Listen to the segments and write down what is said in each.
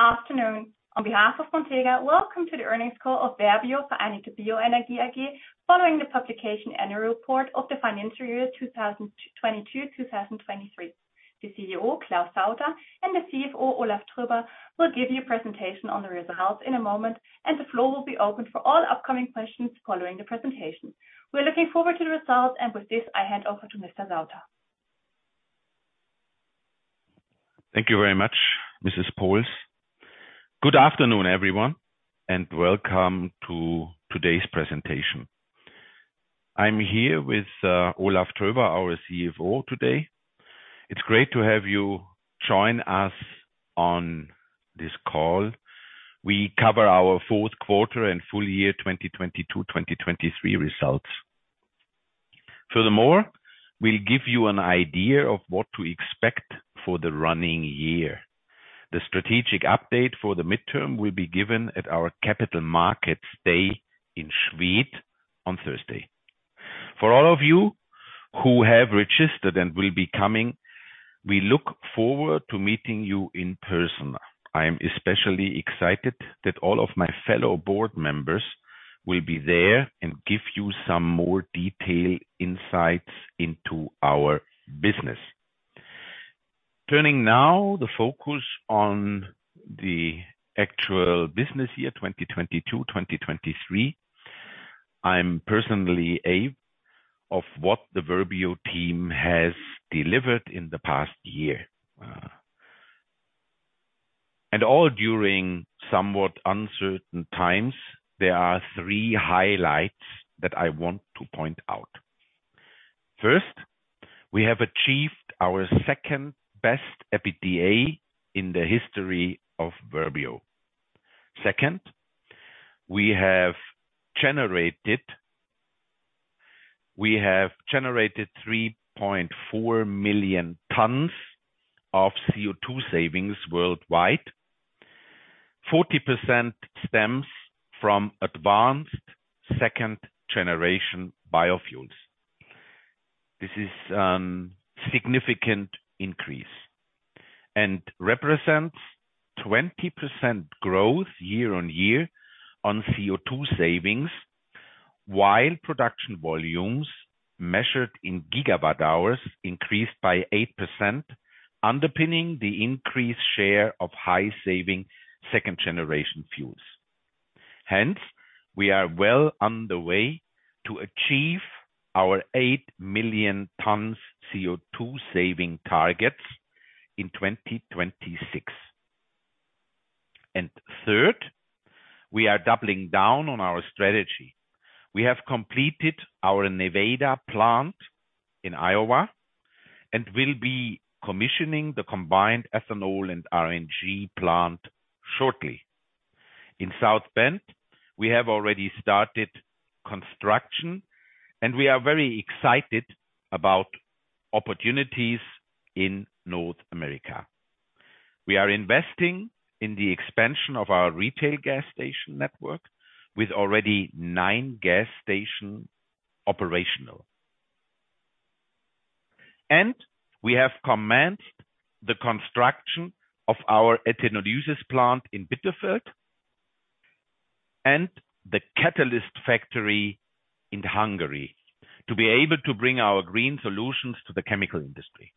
Good afternoon. On behalf of Montega, welcome to the earnings call of Verbio Vereinigte BioEnergie AG, following the publication of the annual report of the financial year 2022, 2023. The CEO, Claus Sauter, and the CFO, Olaf Tröber, will give you a presentation on the results in a moment, and the floor will be open for all upcoming questions following the presentation. We are looking forward to the results, and with this, I hand over to Mr. Sauter. Thank you very much, Mrs. Volz. Good afternoon, everyone, and welcome to today's presentation. I'm here with Olaf Tröber, our CFO today. It's great to have you join us on this call. We cover our Q4 and full year 2022, 2023 results. Furthermore, we'll give you an idea of what to expect for the running year. The strategic update for the midterm will be given at our Capital Markets Day in Schwedt on Thursday. For all of you who have registered and will be coming, we look forward to meeting you in person. I am especially excited that all of my fellow board members will be there and give you some more detailed insights into our business. Turning now the focus on the actual business year, 2022, 2023, I'm personally awed of what the Verbio team has delivered in the past year. All during somewhat uncertain times, there are three highlights that I want to point out. First, we have achieved our second-best EBITDA in the history of Verbio. Second, we have generated 3.4 million tons of CO2 savings worldwide. 40% stems from advanced second-generation biofuels. This is a significant increase and represents 20% growth year-on-year on CO2 savings, while production volumes measured inGWh increased by 8%, underpinning the increased share of high-saving second-generation fuels. Hence, we are well on the way to achieve our 8 million tons CO2 saving targets in 2026. Third, we are doubling down on our strategy. We have completed our Nevada plant in Iowa, and we'll be commissioning the combined ethanol and RNG plant shortly. In South Bend, we have already started construction, and we are very excited about opportunities in North America. We are investing in the expansion of our retail gas station network with already nine gas stations operational. And we have commenced the construction of our ethenolysis plant in Bitterfeld and the catalyst factory in Hungary to be able to bring our green solutions to the chemical industry.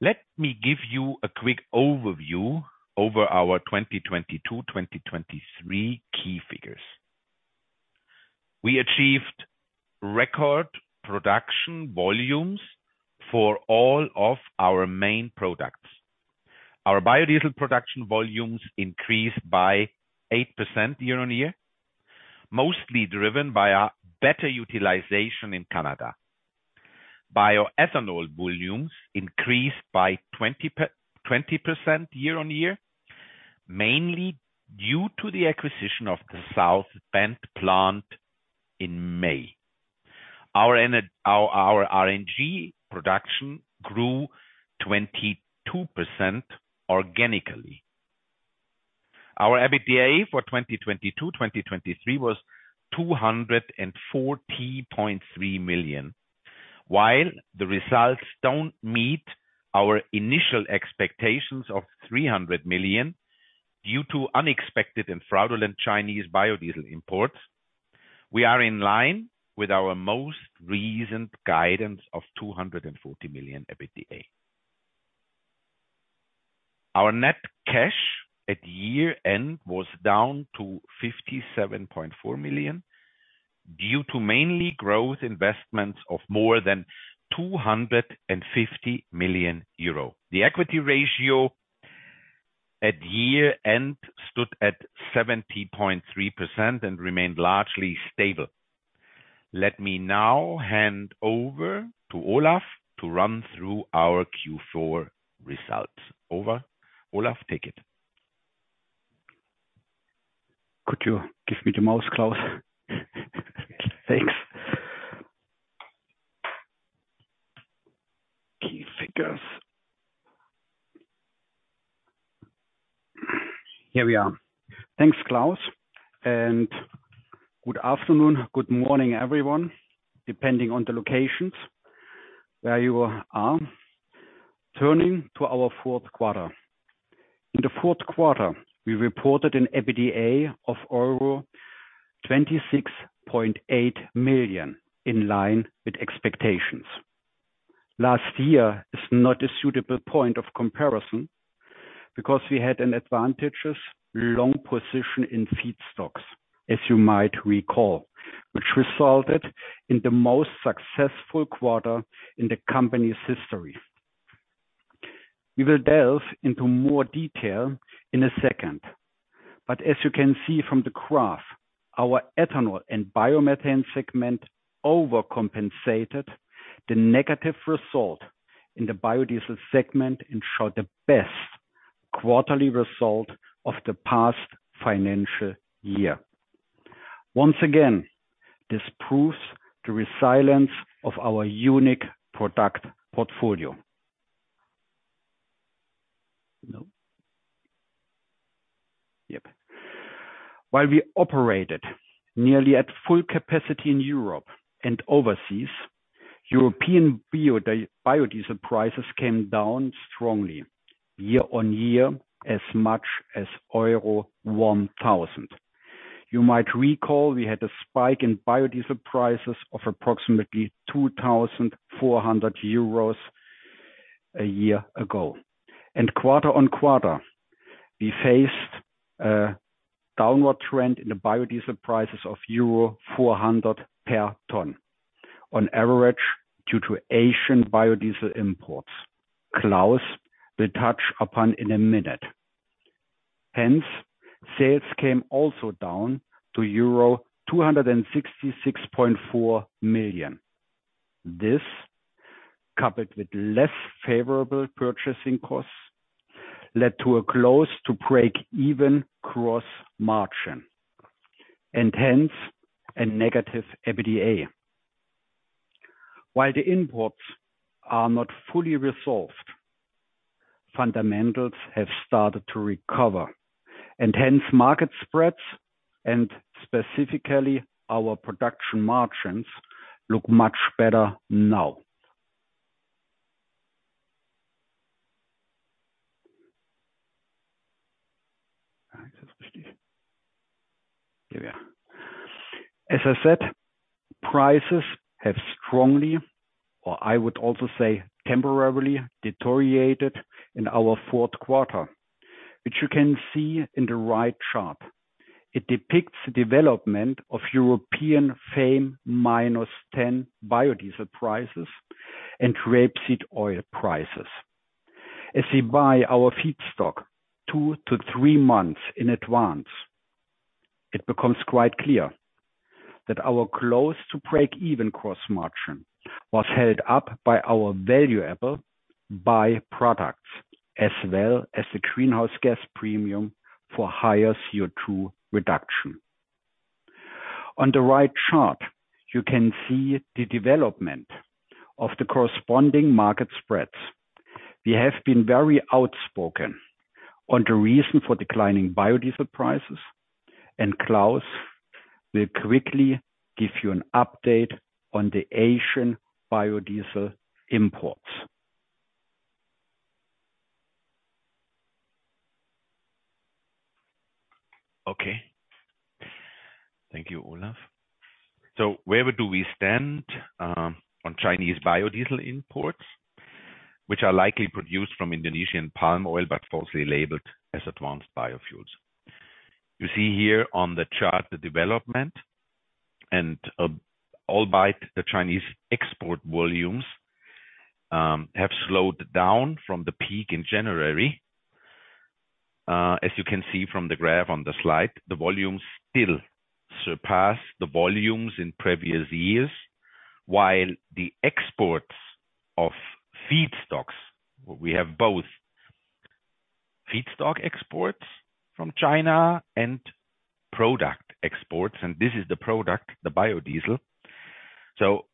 Let me give you a quick overview over our 2022, 2023 key figures. We achieved record production volumes for all of our main products. Our biodiesel production volumes increased by 8% year-on-year, mostly driven by a better utilization in Canada. Bioethanol volumes increased by 20% year-on-year, mainly due to the acquisition of the South Bend plant in May. Our RNG production grew 22% organically. Our EBITDA for 2022, 2023 was 240.3 million, while the results don't meet our initial expectations of 300 million due to unexpected and fraudulent Chinese biodiesel imports, we are in line with our most recent guidance of 240 million EBITDA. Our net cash at year-end was down to 57.4 million, due to mainly growth investments of more than 250 million euro. The equity ratio at year-end stood at 70.3% and remained largely stable. Let me now hand over to Olaf to run through our Q4 results. Over, Olaf, take it. Could you give me the mouse, Claus? Thanks. Key figures. Here we are. Thanks, Claus, and good afternoon, good morning, everyone, depending on the locations where you are. Turning to our Q4. In the Q4, we reported an EBITDA of 26.8 million, in line with expectations. Last year is not a suitable point of comparison, because we had an advantageous long position in feedstocks, as you might recall, which resulted in the most successful quarter in the company's history. We will delve into more detail in a second, but as you can see from the graph, our ethanol and biomethane segment overcompensated the negative result in the biodiesel segment and showed the best quarterly result of the past financial year. Once again, this proves the resilience of our unique product portfolio. No. Yep. While we operated nearly at full capacity in Europe and overseas, European biodiesel prices came down strongly, year-on-year, as much as euro 1,000. You might recall we had a spike in biodiesel prices of approximately 2,400 euros a year ago. And quarter-on-quarter, we faced a downward trend in the biodiesel prices of euro 400 per ton on average, due to Asian biodiesel imports. Claus will touch upon in a minute. Hence, sales came also down to euro 266.4 million. This, coupled with less favorable purchasing costs, led to a close to break-even gross margin, and hence, a negative EBITDA. While the imports are not fully resolved, fundamentals have started to recover, and hence, market spreads and specifically our production margins, look much better now. As I said, prices have strongly, or I would also say temporarily, deteriorated in our Q4, which you can see in the right chart. It depicts the development of European FAME minus ten biodiesel prices and rapeseed oil prices. As we buy our feedstock two to three months in advance, it becomes quite clear that our close to break-even gross margin was held up by our valuable by-products, as well as the greenhouse gas premium for higher CO2 reduction. On the right chart, you can see the development of the corresponding market spreads. We have been very outspoken on the reason for declining biodiesel prices, and Claus will quickly give you an update on the Asian biodiesel imports. Okay. Thank you, Olaf. So where do we stand on Chinese biodiesel imports, which are likely produced from Indonesian palm oil, but falsely labeled as advanced biofuels? You see here on the chart, the development and albeit the Chinese export volumes have slowed down from the peak in January. As you can see from the graph on the slide, the volumes still surpass the volumes in previous years, while the exports of feedstocks, we have both feedstock exports from China and product exports, and this is the product, the biodiesel. So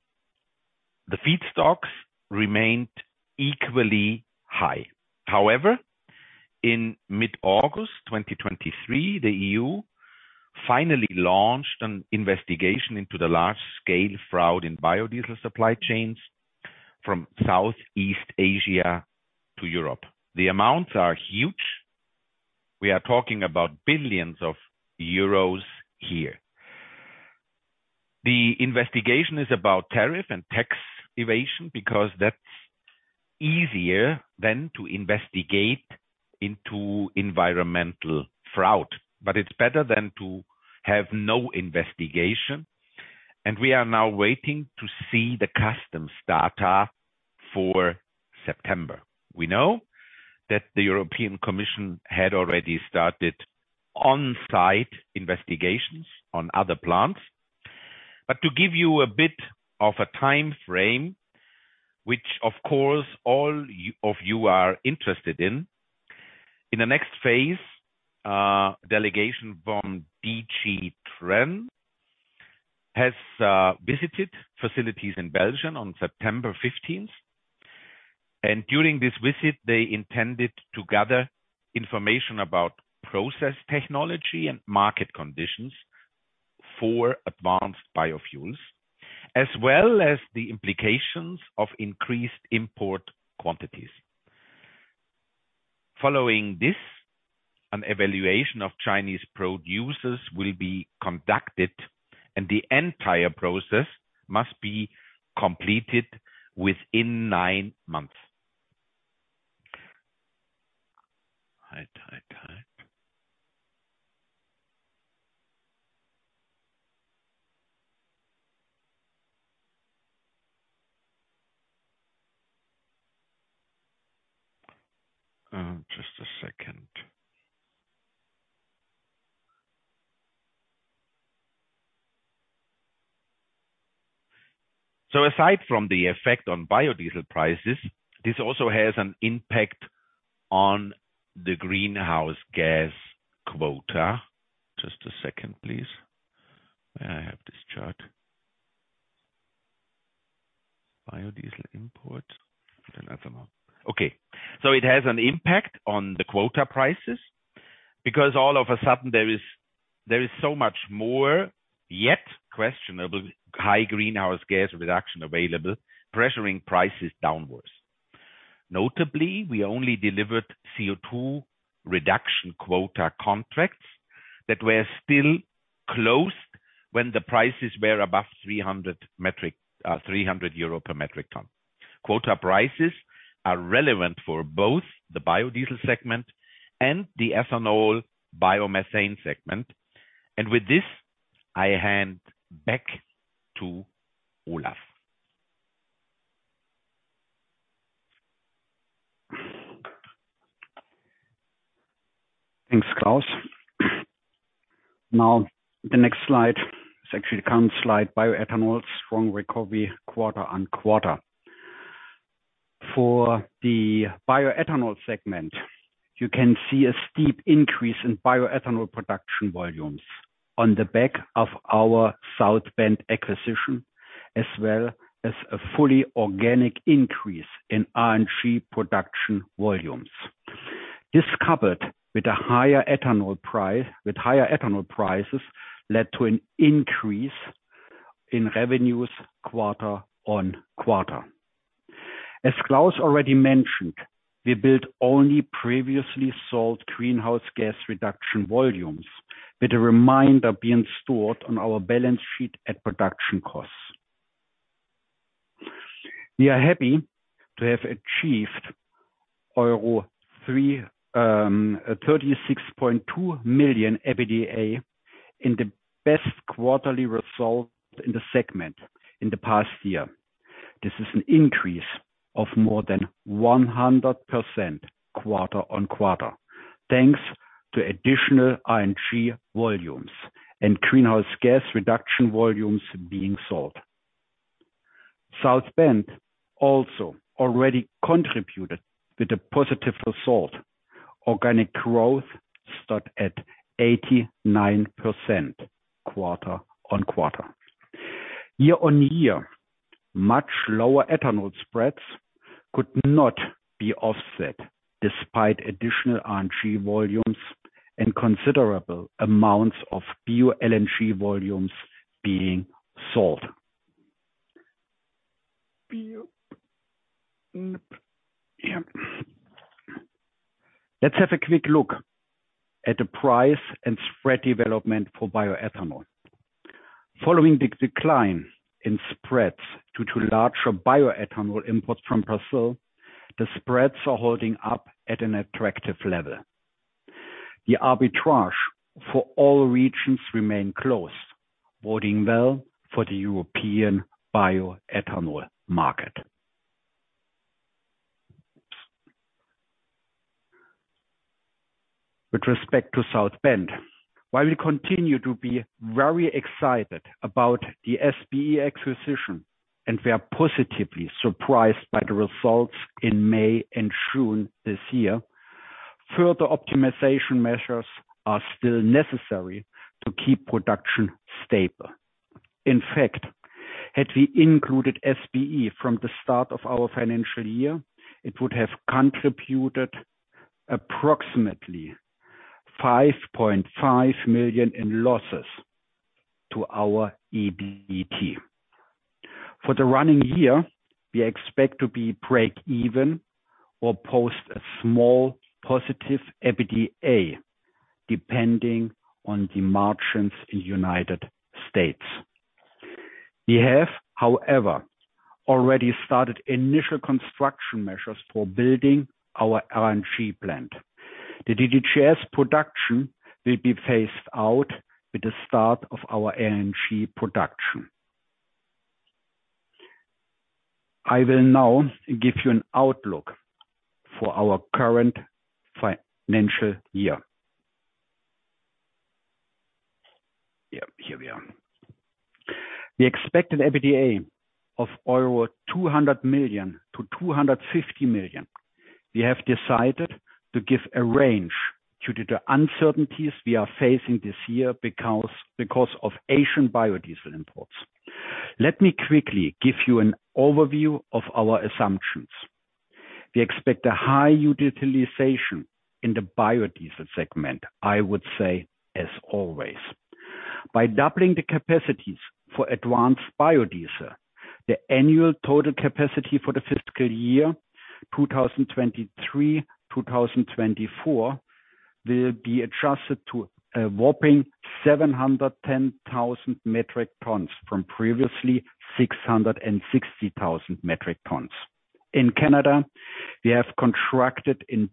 the feedstocks remained equally high. However, in mid-August 2023, the EU finally launched an investigation into the large-scale fraud in biodiesel supply chains from Southeast Asia to Europe. The amounts are huge. We are talking about billions of euros here. The investigation is about tariff and tax evasion, because that's easier than to investigate into environmental fraud, but it's better than to have no investigation, and we are now waiting to see the customs data for September. We know that the European Commission had already started on-site investigations on other plants. But to give you a bit of a time frame, which of course, all of you are interested in, in the next phase, delegation from DG TREN has visited facilities in Belgium on September fifteenth. And during this visit, they intended to gather information about process technology and market conditions for advanced biofuels, as well as the implications of increased import quantities. Following this, an evaluation of Chinese producers will be conducted, and the entire process must be completed within nine months. Hi, tight, tight. Just a second. So aside from the effect on biodiesel prices, this also has an impact on the greenhouse gas quota. Just a second, please. Where I have this chart? Biodiesel import and ethanol. Okay, so it has an impact on the quota prices, because all of a sudden there is, there is so much more, yet questionable, high greenhouse gas reduction available, pressuring prices downwards. Notably, we only delivered CO₂ reduction quota contracts that were still closed when the prices were above 300 metric, 300 euro per metric ton. Quota prices are relevant for both the biodiesel segment and the ethanol biomethane segment. And with this, I hand back to Olaf. Thanks, Claus. Now, the next slide is actually the current slide, bioethanol, strong recovery quarter-over-quarter. For the bioethanol segment, you can see a steep increase in bioethanol production volumes on the back of our South Bend acquisition, as well as a fully organic increase in RNG production volumes. This, covered with higher ethanol prices, led to an increase in revenues quarter-over-quarter. As Claus already mentioned, we built only previously sold greenhouse gas reduction volumes, with the remainder being stored on our balance sheet at production costs. We are happy to have achieved euro 336.2 million EBITDA in the best quarterly result in the segment in the past year. This is an increase of more than 100% quarter-over-quarter, thanks to additional RNG volumes and greenhouse gas reduction volumes being sold. South Bend also already contributed with a positive result. Organic growth stood at 89% quarter-over-quarter. Year-over-year, much lower ethanol spreads could not be offset, despite additional RNG volumes and considerable amounts of Bio-LNG volumes being sold. Let's have a quick look at the price and spread development for bioethanol. Following the decline in spreads due to larger bioethanol imports from Brazil, the spreads are holding up at an attractive level. The arbitrage for all regions remain closed, boding well for the European bioethanol market. With respect to South Bend, while we continue to be very excited about the SBE acquisition, and we are positively surprised by the results in May and June this year, further optimization measures are still necessary to keep production stable. In fact, had we included SBE from the start of our financial year, it would have contributed approximately 5.5 million in losses to our EBT. For the running year, we expect to be break even or post a small positive EBITDA, depending on the margins in United States. We have, however, already started initial construction measures for building our RNG plant. The DDGS production will be phased out with the start of our LNG production. I will now give you an outlook for our current financial year. Yeah, here we are. We expect an EBITDA of 200 million-250 million euro. We have decided to give a range due to the uncertainties we are facing this year because of Asian biodiesel imports. Let me quickly give you an overview of our assumptions. We expect a high utilization in the biodiesel segment, I would say, as always. By doubling the capacities for advanced biodiesel, the annual total capacity for the fiscal year 2023-2024 will be adjusted to a whopping 710,000 metric tons from previously 660,000 metric tons. In Canada, we have contracts in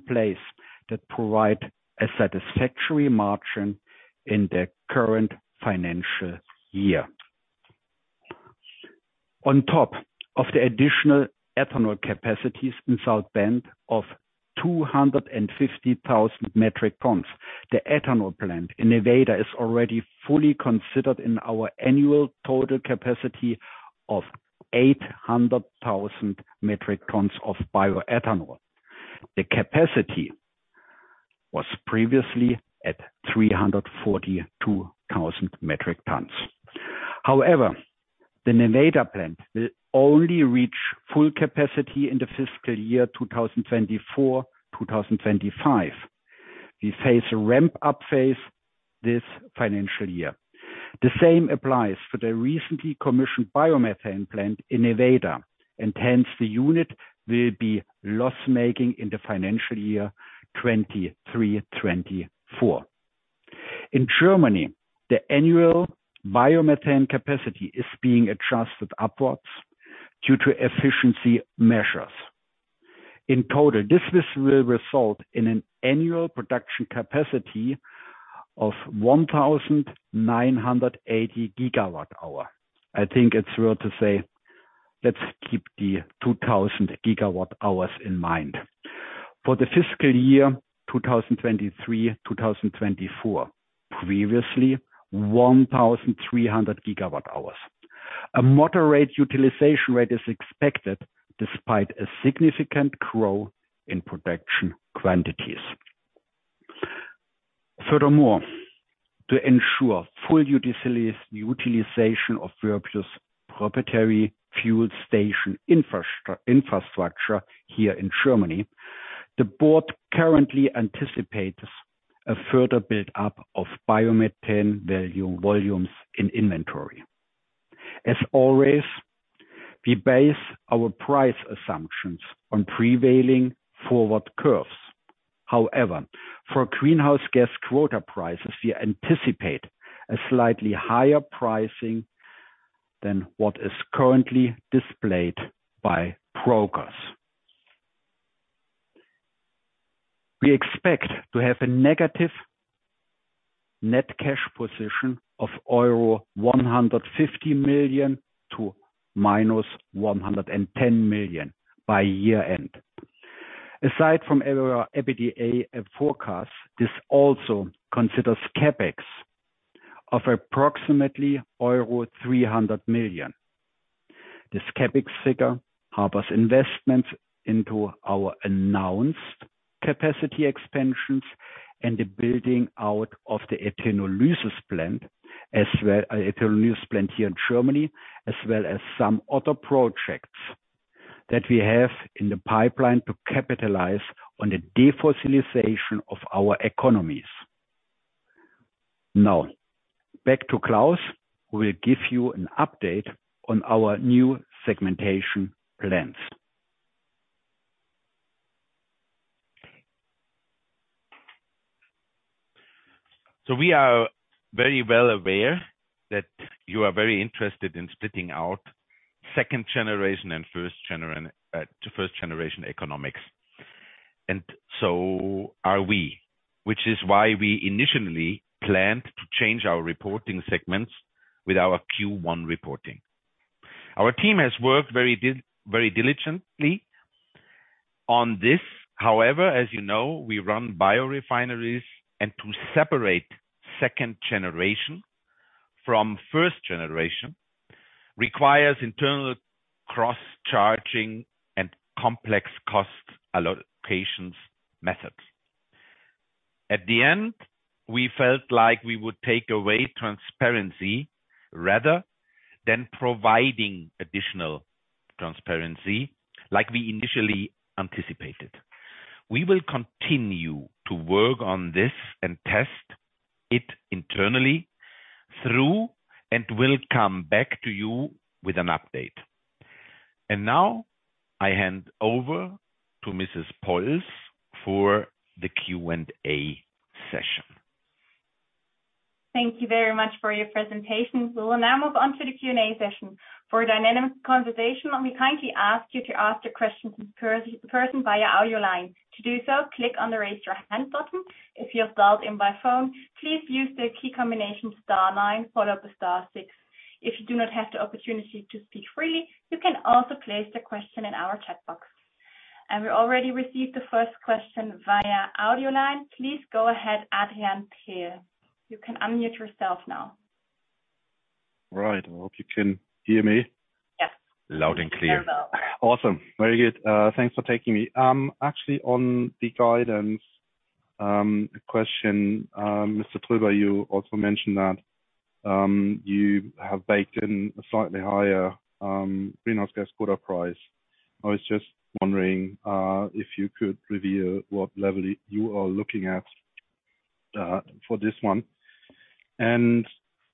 place that provide a satisfactory margin in the current financial year. On top of the additional ethanol capacities in South Bend of 250,000 metric tons, the ethanol plant in Nevada is already fully considered in our annual total capacity of 800,000 metric tons of bioethanol. The capacity was previously at 342,000 metric tons. However, the Nevada plant will only reach full capacity in the fiscal year 2024-2025. We face a ramp-up phase this financial year. The same applies for the recently commissioned biomethane plant in Nevada, and hence, the unit will be loss-making in the financial year 2023-2024. In Germany, the annual biomethane capacity is being adjusted upwards due to efficiency measures. In total, this will result in an annual production capacity of 1,980GWh. I think it's fair to say, let's keep the 2,000GWh in mind. For the fiscal year 2023-2024, previously 1,300GWh, a moderate utilization rate is expected despite a significant growth in production quantities. Furthermore, to ensure full utilization of Verbio's proprietary fuel station infrastructure here in Germany, the board currently anticipates a further build-up of biomethane value volumes in inventory. As always, we base our price assumptions on prevailing forward curves. However, for greenhouse gas quota prices, we anticipate a slightly higher pricing than what is currently displayed by brokers. We expect to have a negative net cash position of euro 150 million to 110 million by year-end. Aside from our EBITDA forecast, this also considers CapEx of approximately euro 300 million. This CapEx figure harbors investments into our announced capacity expansions and the building out of the ethenolysis plant here in Germany, as well as some other projects that we have in the pipeline to capitalize on the defossilization of our economies. Now, back to Claus, who will give you an update on our new segmentation plans. So we are very well aware that you are very interested in splitting out second generation and first generation economics, and so are we, which is why we initially planned to change our reporting segments with our Q1 reporting. Our team has worked very diligently on this. However, as you know, we run biorefineries, and to separate second generation from first generation requires internal cross-charging and complex cost allocations methods. At the end, we felt like we would take away transparency rather than providing additional transparency like we initially anticipated. We will continue to work on this and test it internally through, and we'll come back to you with an update. And now I hand over to Mrs. Volz for the Q&A session. Thank you very much for your presentation. We will now move on to the Q&A session. For a dynamic conversation, we kindly ask you to ask the question in person via audio line. To do so, click on the Raise Your Hand button. If you have dialed in by phone, please use the key combination star nine, followed by star six. If you do not have the opportunity to speak freely, you can also place the question in our chat box. And we already received the first question via audio line. Please go ahead, Adrian Pehl. You can unmute yourself now. Right. I hope you can hear me? Yes. Loud and clear. Awesome. Very good. Thanks for taking me. Actually, on the guidance question, Mr. Tröber, you also mentioned that you have baked in a slightly higher greenhouse gas quota price. I was just wondering if you could reveal what level you are looking at for this one. And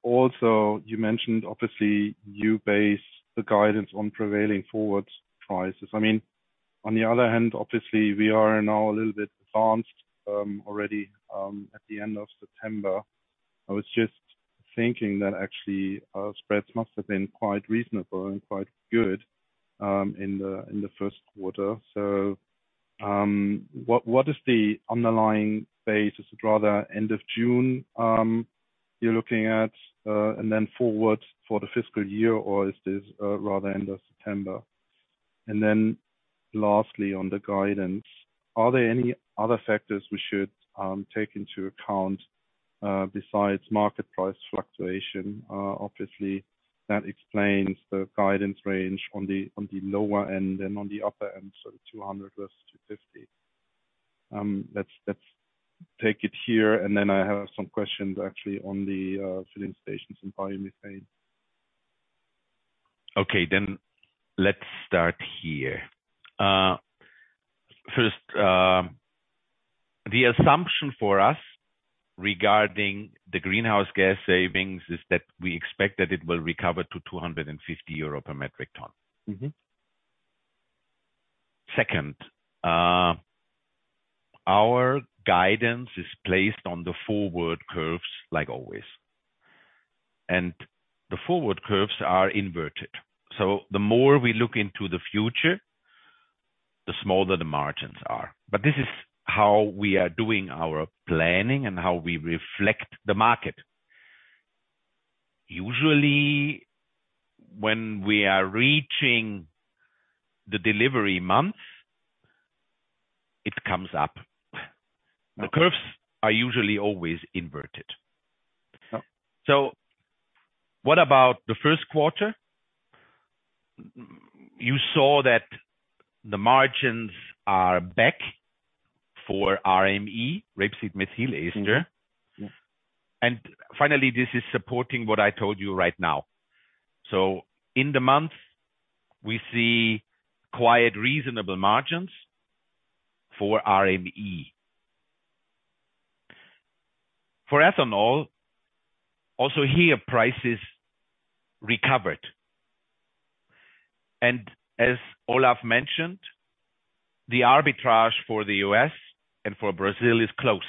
also you mentioned obviously you base the guidance on prevailing forward prices. I mean, on the other hand, obviously, we are now a little bit advanced already at the end of September. I was just thinking that actually, our spreads must have been quite reasonable and quite good in the first quarter. So, what is the underlying base? Is it rather end of June you're looking at and then forward for the fiscal year, or is this rather end of September? Then lastly, on the guidance, are there any other factors we should take into account? Obviously, that explains the guidance range on the lower end and on the upper end, so 200-250. Let's take it here, and then I have some questions actually on the filling stations and biomethane. Okay, then let's start here. First, the assumption for us regarding the greenhouse gas savings is that we expect that it will recover to 250 euro per metric ton. Mm-hmm. Second, our guidance is placed on the forward curves, like always. The forward curves are inverted, so the more we look into the future, the smaller the margins are. This is how we are doing our planning and how we reflect the market. Usually, when we are reaching the delivery month, it comes up. The curves are usually always inverted. What about the first quarter? You saw that the margins are back for RME, rapeseed methyl ester. Finally, this is supporting what I told you right now. In the month, we see quite reasonable margins for RME. For ethanol, also here prices recovered, and as Olaf mentioned, the arbitrage for the US and for Brazil is closed.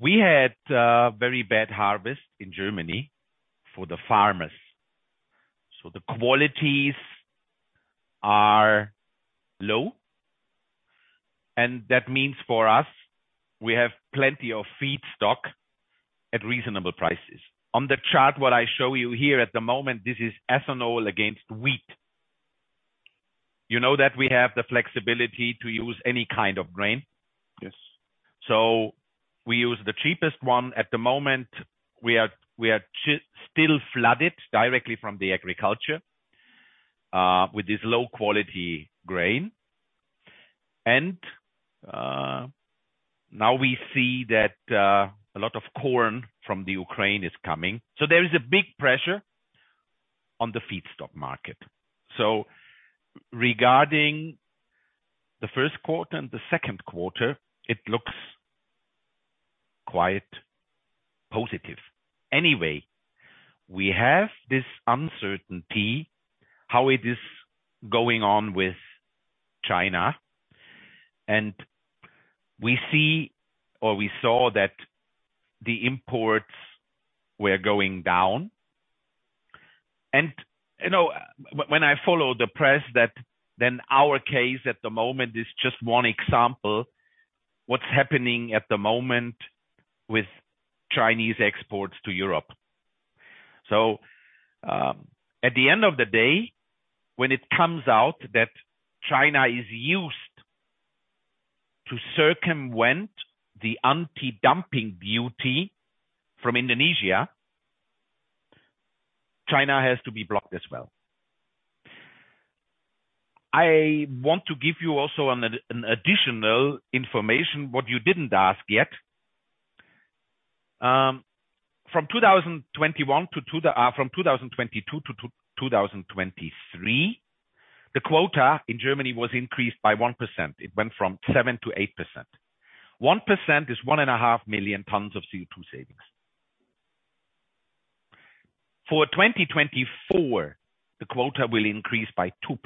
We had a very bad harvest in Germany for the farmers, so the qualities are low, and that means for us, we have plenty of feedstock at reasonable prices. On the chart, what I show you here at the moment, this is ethanol against wheat. You know that we have the flexibility to use any kind of grain? Yes. So we use the cheapest one. At the moment, we are still flooded directly from the agriculture with this low-quality grain. And now we see that a lot of corn from the Ukraine is coming. So there is a big pressure on the feedstock market. So regarding the first quarter and the second quarter, it looks quite positive. Anyway, we have this uncertainty, how it is going on with China, and we see or we saw that the imports were going down. And, you know, when I follow the press, that then our case at the moment is just one example, what's happening at the moment with Chinese exports to Europe. So, at the end of the day, when it comes out that China is used to circumvent the anti-dumping duty from Indonesia, China has to be blocked as well. I want to give you also an additional information, what you didn't ask yet. From 2022 to 2023, the quota in Germany was increased by 1%. It went from 7%-8%. 1% is 1.5 million tons of CO2 savings. For 2024, the quota will increase by 2%,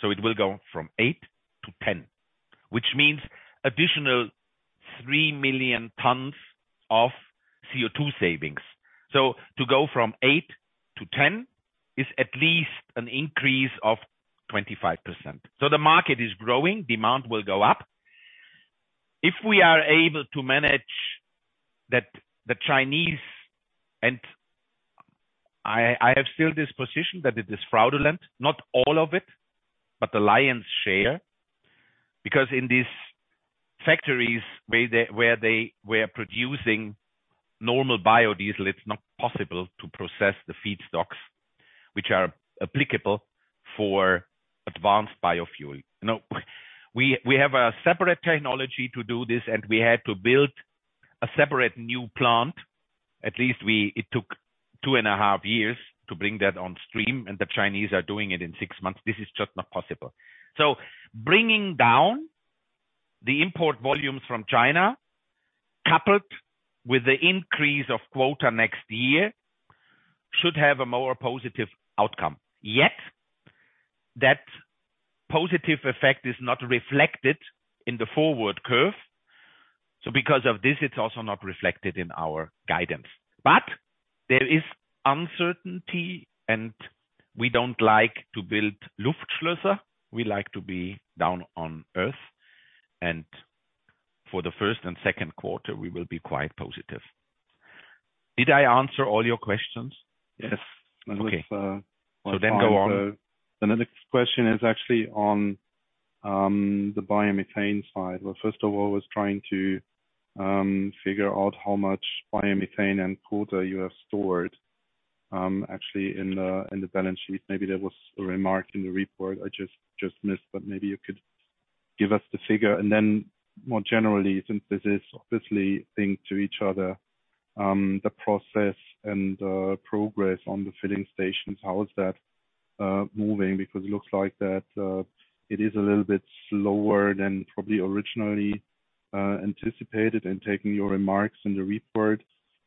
so it will go from 8%-10%, which means additional three million tons of CO2 savings. So to go from 8%-10% is at least an increase of 25%. So the market is growing, demand will go up. If we are able to manage that the Chinese and the, I, I have still this position that it is fraudulent, not all of it, but the lion's share. Because in these factories, where they, where they were producing normal biodiesel, it's not possible to process the feedstocks which are applicable for advanced biofuel. No, we, we have a separate technology to do this, and we had to build a separate new plant. At least we, it took two and a half years to bring that on stream, and the Chinese are doing it in six months. This is just not possible. So bringing down the import volumes from China, coupled with the increase of quota next year, should have a more positive outcome. Yet, that positive effect is not reflected in the forward curve, so because of this, it's also not reflected in our guidance. But there is uncertainty, and we don't like to build Luftschlösser. We like to be down on earth, and for the first and second quarter, we will be quite positive. Did I answer all your questions? Yes. Okay. And with, So then go on. The next question is actually on the biomethane side. Well, first of all, I was trying to figure out how much biomethane and quota you have stored, actually, in the balance sheet. Maybe there was a remark in the report I just missed, but maybe you could give us the figure. And then more generally, since this is obviously linked to each other, the process and progress on the filling stations, how is that moving? Because it looks like that it is a little bit slower than probably originally anticipated. And taking your remarks in the report,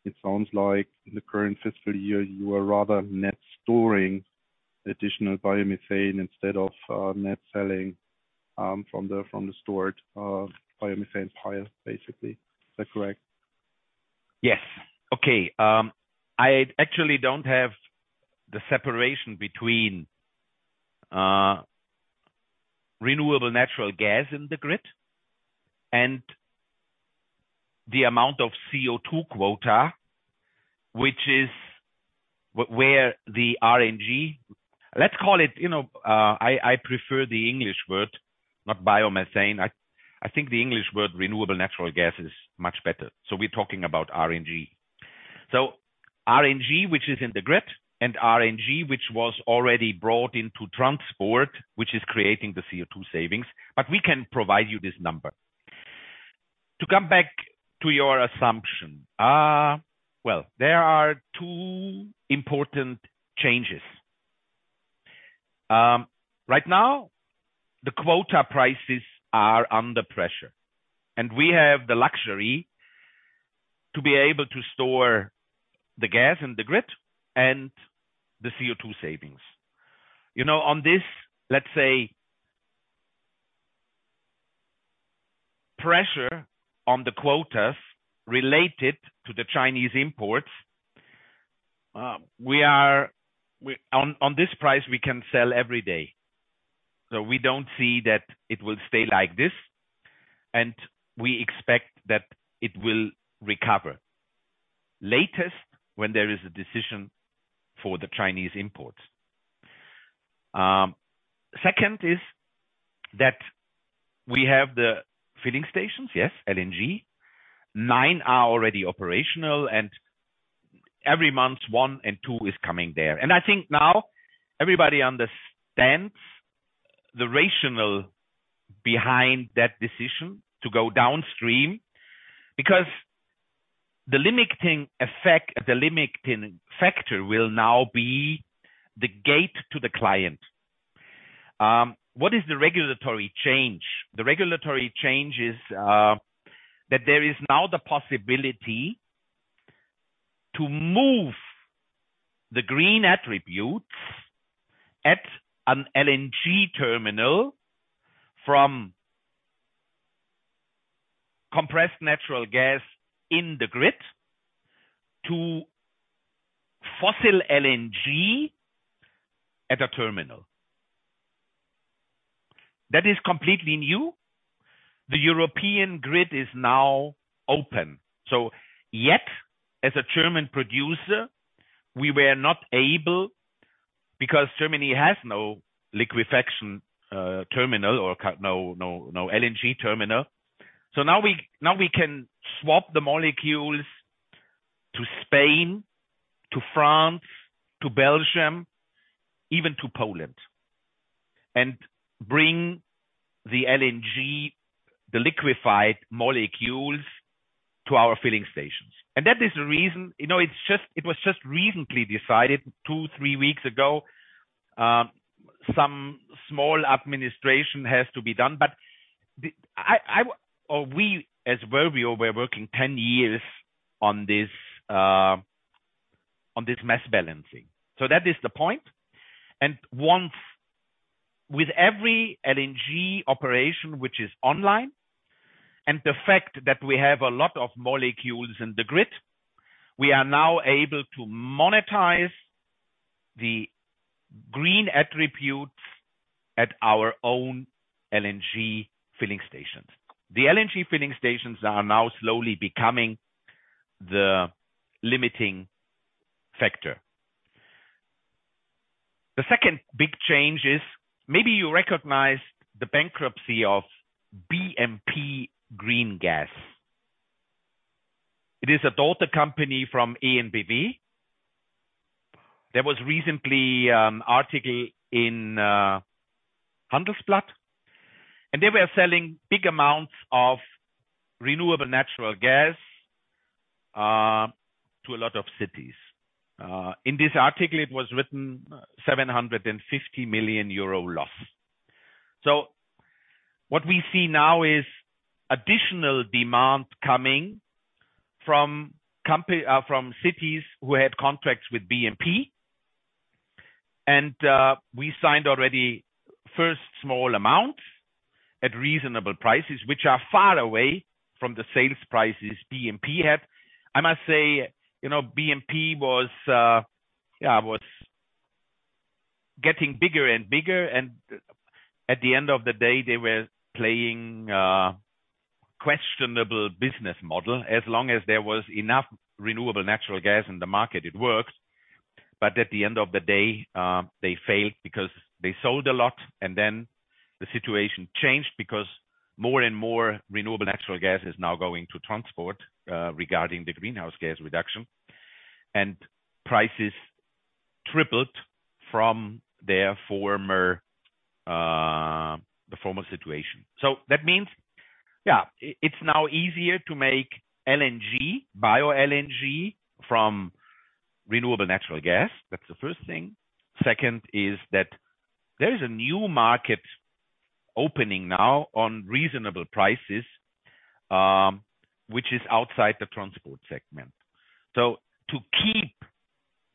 it sounds like in the current fiscal year, you are rather net storing additional biomethane instead of net selling from the stored biomethane pile, basically. Is that correct? Yes. Okay, I actually don't have the separation between renewable natural gas in the grid and the amount of CO2 quota, which is where the RNG, let's call it, you know, I prefer the English word, not biomethane. I think the English word, renewable natural gas, is much better. So we're talking about RNG. So RNG, which is in the grid, and RNG, which was already brought into transport, which is creating the CO2 savings, but we can provide you this number. To come back to your assumption, well, there are two important changes. Right now, the quota prices are under pressure, and we have the luxury to be able to store the gas in the grid and the CO2 savings. You know, on this, let's say, pressure on the quotas related to the Chinese imports, we are on this price, we can sell every day, so we don't see that it will stay like this, and we expect that it will recover, latest when there is a decision for the Chinese imports. Second is that we have the filling stations, yes, LNG. Nine are already operational, and every month, one and two is coming there. And I think now everybody understands the rational behind that decision to go downstream, because the limiting effect, the limiting factor will now be the gate to the client. What is the regulatory change? The regulatory change is, that there is now the possibility to move the green attributes at an LNG terminal from compressed natural gas in the grid to fossil LNG at a terminal. That is completely new. The European grid is now open. So yes, as a German producer, we were not able, because Germany has no liquefaction terminal or LNG terminal. So now we can swap the molecules to Spain, to France, to Belgium, even to Poland, and bring the LNG, the liquefied molecules, to our filling stations. And that is the reason. You know, it's just it was just recently decided, two to three weeks ago. Some small administration has to be done, but I, or we, as Verbio, we're working 10 years on this, on this mass balancing. So that is the point. And once with every LNG operation which is online, and the fact that we have a lot of molecules in the grid, we are now able to monetize the green attributes at our own LNG filling stations. The LNG filling stations are now slowly becoming the limiting factor. The second big change is, maybe you recognized the bankruptcy of bmp greengas. It is a daughter company from EnBW. There was recently an article in Handelsblatt, and they were selling big amounts of renewable natural gas to a lot of cities. In this article, it was written 750 million euro loss. So what we see now is additional demand coming from cities who had contracts with bmp greengas, and we signed already first small amount at reasonable prices, which are far away from the sales prices bmp greengas had. I must say, you know, bmp greengas was, yeah, was getting bigger and bigger, and at the end of the day, they were playing questionable business model. As long as there was enough renewable natural gas in the market, it worked. But at the end of the day, they failed because they sold a lot, and then the situation changed because more and more renewable natural gas is now going to transport regarding the greenhouse gas reduction, and prices tripled from the former situation. So that means, yeah, it's now easier to make LNG, Bio-LNG from renewable natural gas. That's the first thing. Second is that there is a new market opening now on reasonable prices, which is outside the transport segment. So to keep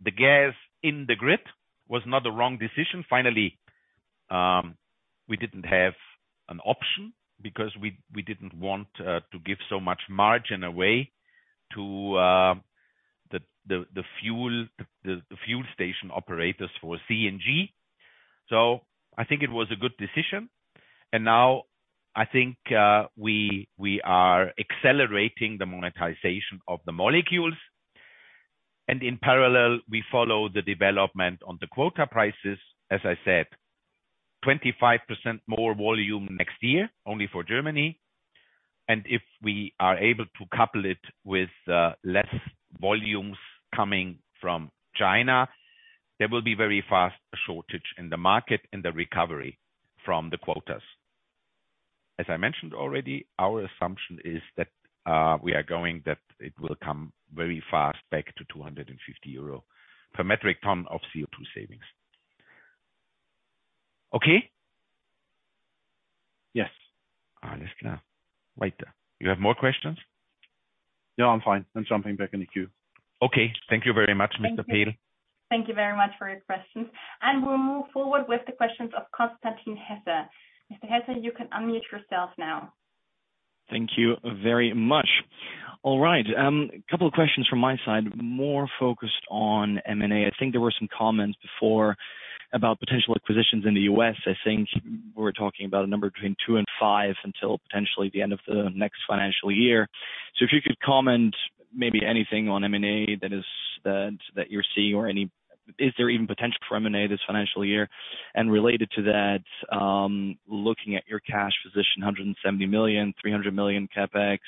the gas in the grid was not the wrong decision. Finally, we didn't have an option because we didn't want to give so much margin away to the fuel station operators for CNG. So I think it was a good decision, and now I think, we, we are accelerating the monetization of the molecules, and in parallel, we follow the development on the quota prices. As I said, 25% more volume next year, only for Germany, and if we are able to couple it with, less volumes coming from China, there will be very fast shortage in the market and the recovery from the quotas. As I mentioned already, our assumption is that, we are going, that it will come very fast back to 250 euro per metric ton of CO2 savings. Okay? Yes. All right, let's go. Right. You have more questions? No, I'm fine. I'm jumping back in the queue. Okay. Thank you very much, Mr. Pehl. Thank you very much for your questions, and we'll move forward with the questions of Constantin Hesse. Mr. Hesse, you can unmute yourself now. Thank you very much. All right, a couple of questions from my side, more focused on M&A. I think there were some comments before about potential acquisitions in the US I think we're talking about a number between two and until potentially the end of the next financial year. So if you could comment, maybe anything on M&A, that is, that you're seeing or any. Is there even potential for M&A this financial year? And related to that, looking at your cash position, 170 million, 300 million CapEx,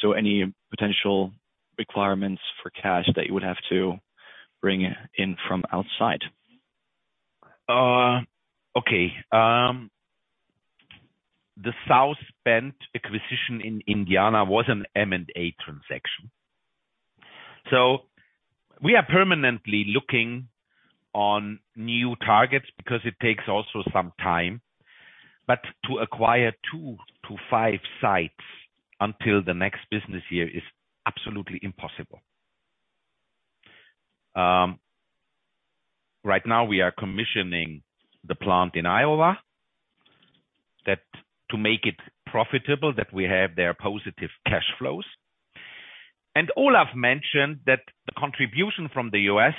so any potential requirements for cash that you would have to bring in from outside? Okay. The South Bend acquisition in Indiana was an M&A transaction. So we are permanently looking on new targets because it takes also some time, but to acquire two to five sites until the next business year is absolutely impossible. Right now we are commissioning the plant in Iowa, that to make it profitable, that we have their positive cash flows. And Olaf mentioned that the contribution from the US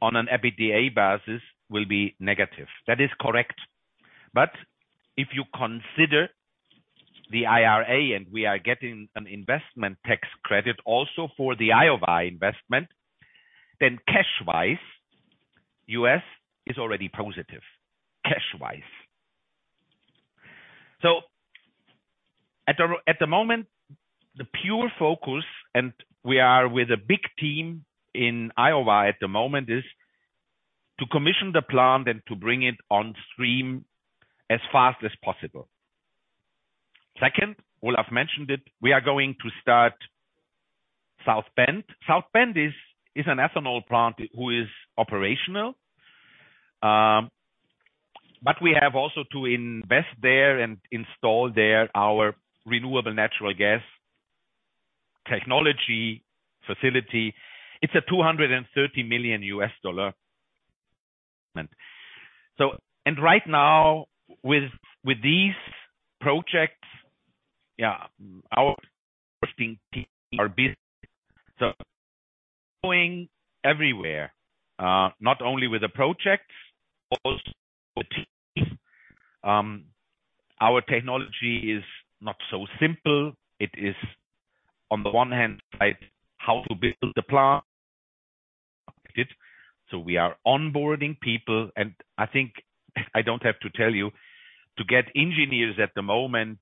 on an EBITDA basis will be negative. That is correct, but if you consider the IRA, and we are getting an investment tax credit also for the Iowa investment, then cash-wise, US is already positive, cash-wise. So at the moment, the pure focus, and we are with a big team in Iowa at the moment, is to commission the plant and to bring it on stream as fast as possible. Second, well, I've mentioned it, we are going to start South Bend. South Bend is an ethanol plant who is operational, but we have also to invest there and install there our renewable natural gas technology facility. It's a $230 million. So, and right now, with these projects, yeah, our team are busy. So going everywhere, not only with the projects, also the team. Our technology is not so simple. It is on the one hand, like, how to build the plant. So we are onboarding people, and I think I don't have to tell you, to get engineers at the moment,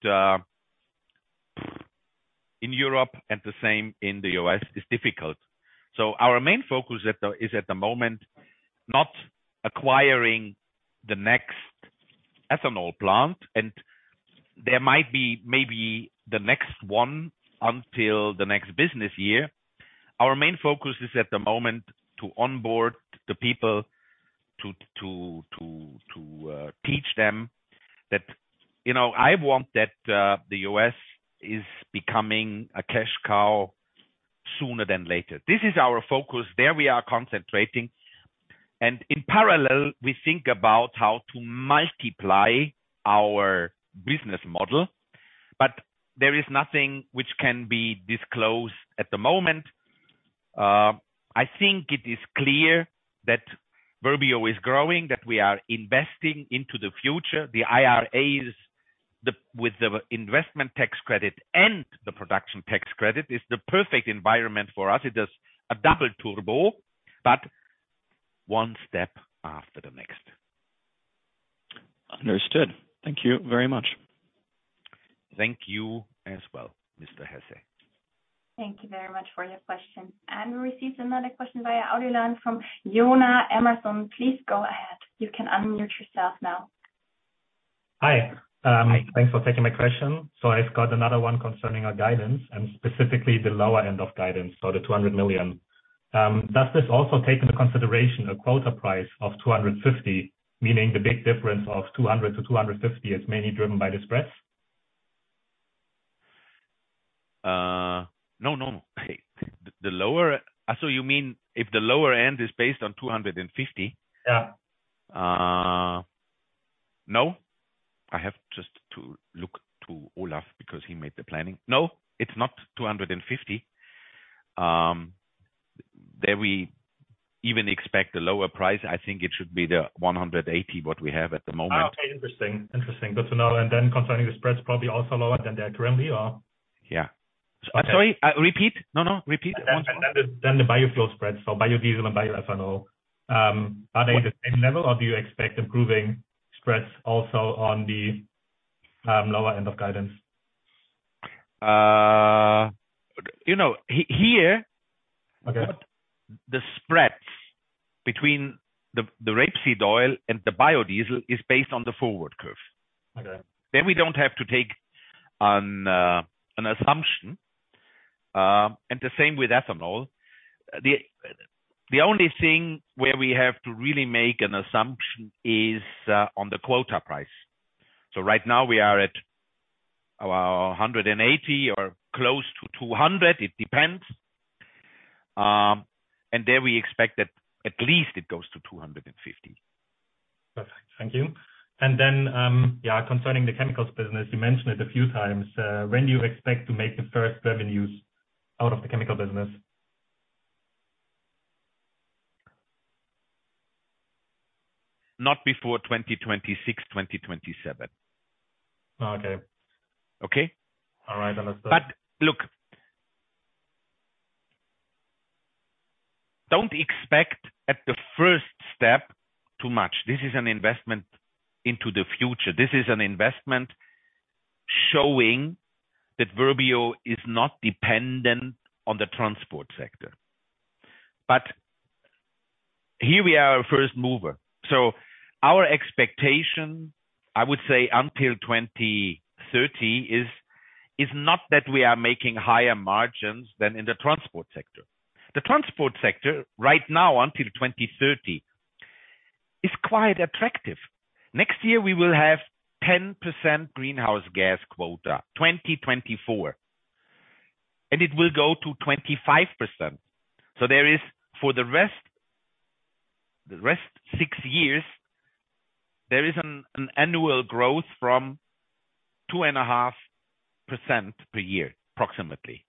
in Europe and the same in the US, is difficult. So our main focus at the moment is at the moment not acquiring the next ethanol plant, and there might be maybe the next one until the next business year. Our main focus is at the moment to onboard the people, to teach them that, you know, I want that the US is becoming a cash cow sooner than later. This is our focus. There we are concentrating, and in parallel, we think about how to multiply our business model, but there is nothing which can be disclosed at the moment. I think it is clear that Verbio is growing, that we are investing into the future. The IRAs, the, with the investment tax credit and the production tax credit, is the perfect environment for us. It is a double turbo, but one step after the next. Understood. Thank you very much. Thank you as well, Mr. Hesse. Thank you very much for your question. We received another question via Audionet from Jonah Emerson. Please go ahead. You can unmute yourself now. Hi. Thanks for taking my question. So I've got another one concerning our guidance and specifically the lower end of guidance, so the 200 million. Does this also take into consideration a quota price of 250, meaning the big difference of 200- 250 is mainly driven by the spreads? No, no. Hey, the lower, so you mean if the lower end is based on 250? Yeah. No. I have just to look to Olaf because he made the planning. No, it's not 250. There we even expect a lower price. I think it should be the 180, what we have at the moment. Okay, interesting. Interesting. Good to know, and then concerning the spreads, probably also lower than they are currently, or? Yeah. I'm sorry, repeat? No, no, repeat once more. Then the biofuel spreads, so biodiesel and bioethanol. Are they the same level, or do you expect improving spreads also on the lower end of guidance? You know. Okay. The spreads between the rapeseed oil and the biodiesel is based on the forward curve. Okay. Then we don't have to take an assumption, and the same with ethanol. The only thing where we have to really make an assumption is on the quota price. So right now we are at about 180 or close to 200. It depends. And there we expect that at least it goes to 250. Perfect. Thank you. And then, yeah, concerning the chemicals business, you mentioned it a few times. When do you expect to make the first revenues out of the chemical business? Not before 2026, 2027. Okay. Okay? All right, understood. But look, don't expect at the first step too much. This is an investment into the future. This is an investment showing that Verbio is not dependent on the transport sector, but here we are a first mover. So our expectation, I would say, until 2030, is not that we are making higher margins than in the transport sector. The transport sector right now until 2030 is quite attractive. Next year, we will have 10% greenhouse gas quota, 2024, and it will go to 25%. So there is for the rest, the rest six years, there is an annual growth from 2.5% per year, approximately.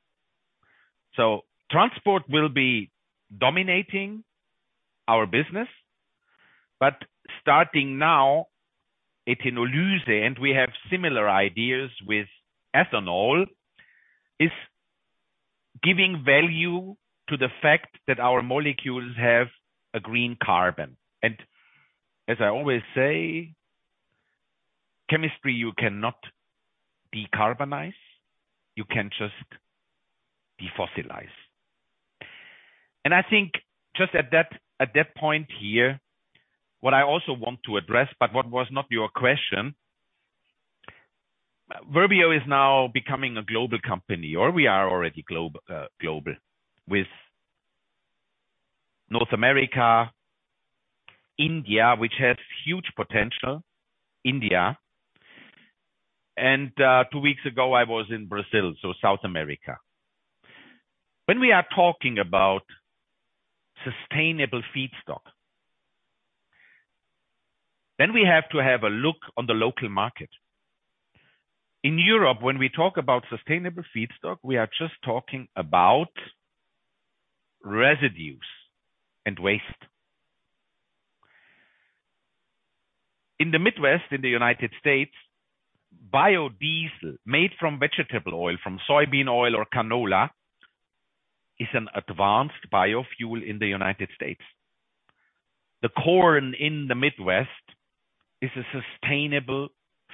So transport will be dominating our business, but starting now, ethanol use, and we have similar ideas with ethanol, is giving value to the fact that our molecules have a green carbon. As I always say, chemistry, you cannot decarbonize, you can just defossilize. I think just at that, at that point here, what I also want to address, but what was not your question. Verbio is now becoming a global company, or we are already global, with North America, India, which has huge potential, India, and two weeks ago, I was in Brazil, so South America. When we are talking about sustainable feedstock, then we have to have a look on the local market. In Europe, when we talk about sustainable feedstock, we are just talking about residues and waste. In the Midwest, in the United States, biodiesel made from vegetable oil, from soybean oil or canola, is an advanced biofuel in the United States. The corn in the Midwest is a sustainable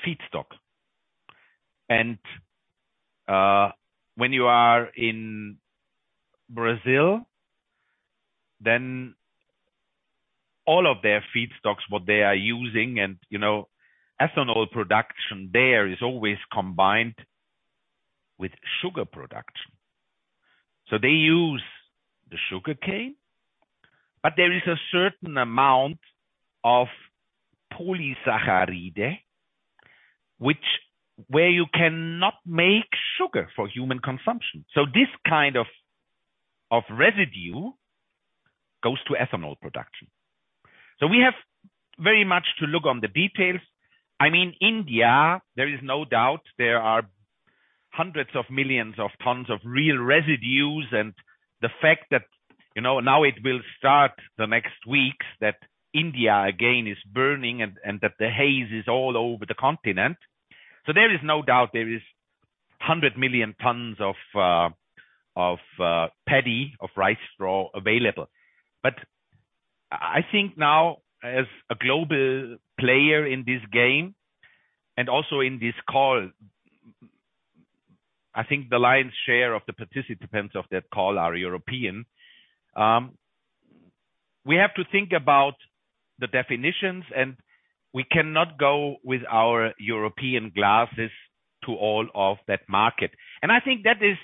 feedstock. When you are in Brazil, then all of their feedstocks, what they are using and, you know, ethanol production there is always combined with sugar production. So they use the sugarcane, but there is a certain amount of polysaccharide, which where you cannot make sugar for human consumption. So this kind of residue goes to ethanol production. So we have very much to look on the details. I mean, India, there is no doubt there are hundreds of millions of tons of real residues, and the fact that, you know, now it will start the next weeks, that India again is burning and that the haze is all over the continent. So there is no doubt there is 100 million tons of paddy, of rice straw available. But I think now, as a global player in this game and also in this call, I think the lion's share of the participants of that call are European. We have to think about the definitions, and we cannot go with our European glasses to all of that market. And I think that is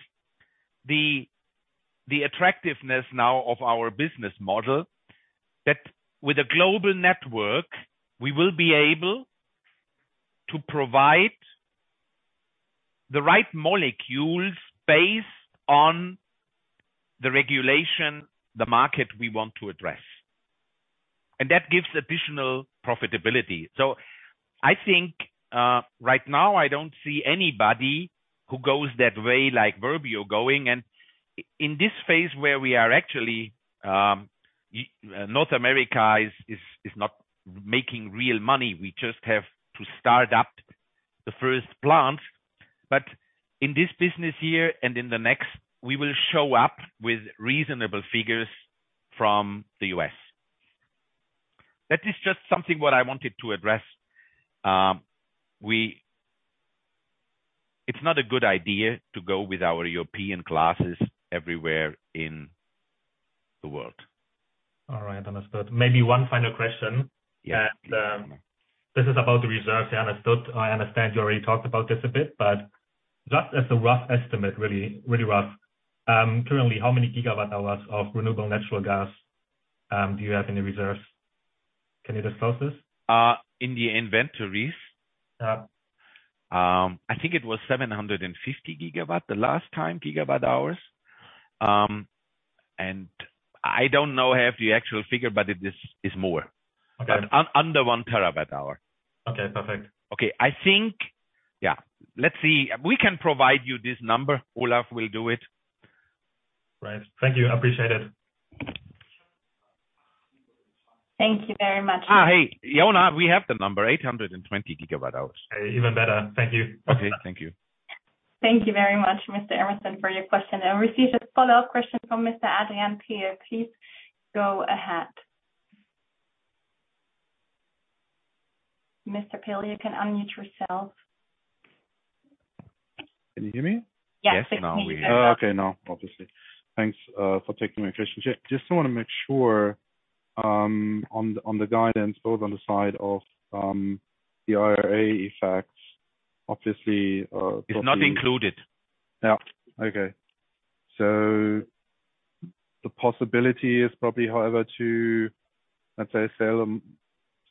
the attractiveness now of our business model, that with a global network, we will be able to provide the right molecules based on the regulation, the market we want to address. And that gives additional profitability. So I think right now I don't see anybody who goes that way, like Verbio going, and in this phase where we are actually, North America is not making real money. We just have to start up the first plant. But in this business year and in the next, we will show up with reasonable figures from the US. That is just something what I wanted to address. It's not a good idea to go with our European glasses everywhere in the world. All right, understood. Maybe one final question? Yeah. This is about the reserves. I understood, I understand you already talked about this a bit, but just as a rough estimate, really, really rough. Currently, how many GWh of renewable natural gas do you have in the reserves? Can you disclose this? In the inventories? Yeah. I think it was 750GWh the last time. I don't now have the actual figure, but it is, it's more. Okay. But under one TB/hr. Okay, perfect. Okay. I think, yeah, let's see. We can provide you this number. Olaf will do it. Right. Thank you. I appreciate it. Thank you very much. Hey, Jonah, we have the number, 820GWh. Even better. Thank you. Okay, thank you. Thank you very much, Mr. Emerson, for your question. I received a follow-up question from Mr. Adrian Pehl. Please go ahead. Mr. Pehl, you can unmute yourself. Can you hear me? Yes, now we hear. Oh, okay. Now, obviously. Thanks for taking my question. Just want to make sure on the guidance, both on the side of the IRA effects, obviously. It's not included. Yeah. Okay. So the possibility is probably, however, to, let's say, sell a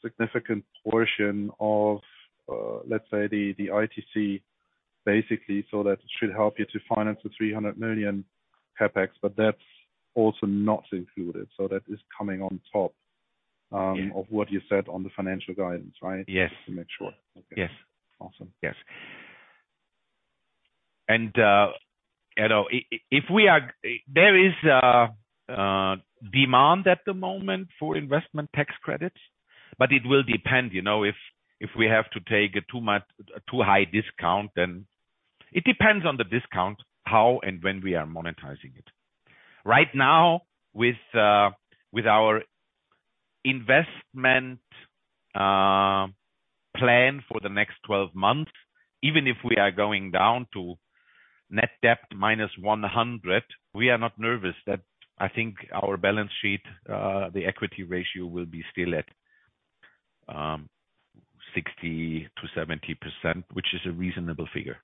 significant portion of, let's say the ITC, basically, so that it should help you to finance the $300 million CapEx, but that's also not included. So that is coming on top. Yes. Of what you said on the financial guidance, right? Yes. Just to make sure. Yes. Awesome. Yes. And, you know, if we are. There is a demand at the moment for investment tax credits, but it will depend, you know, if, if we have to take a too much, too high discount, then it depends on the discount, how and when we are monetizing it. Right now, with our investment plan for the next 12 months, even if we are going down to net debt minus 100, we are not nervous that I think our balance sheet, the equity ratio will be still at 60%-70%, which is a reasonable figure.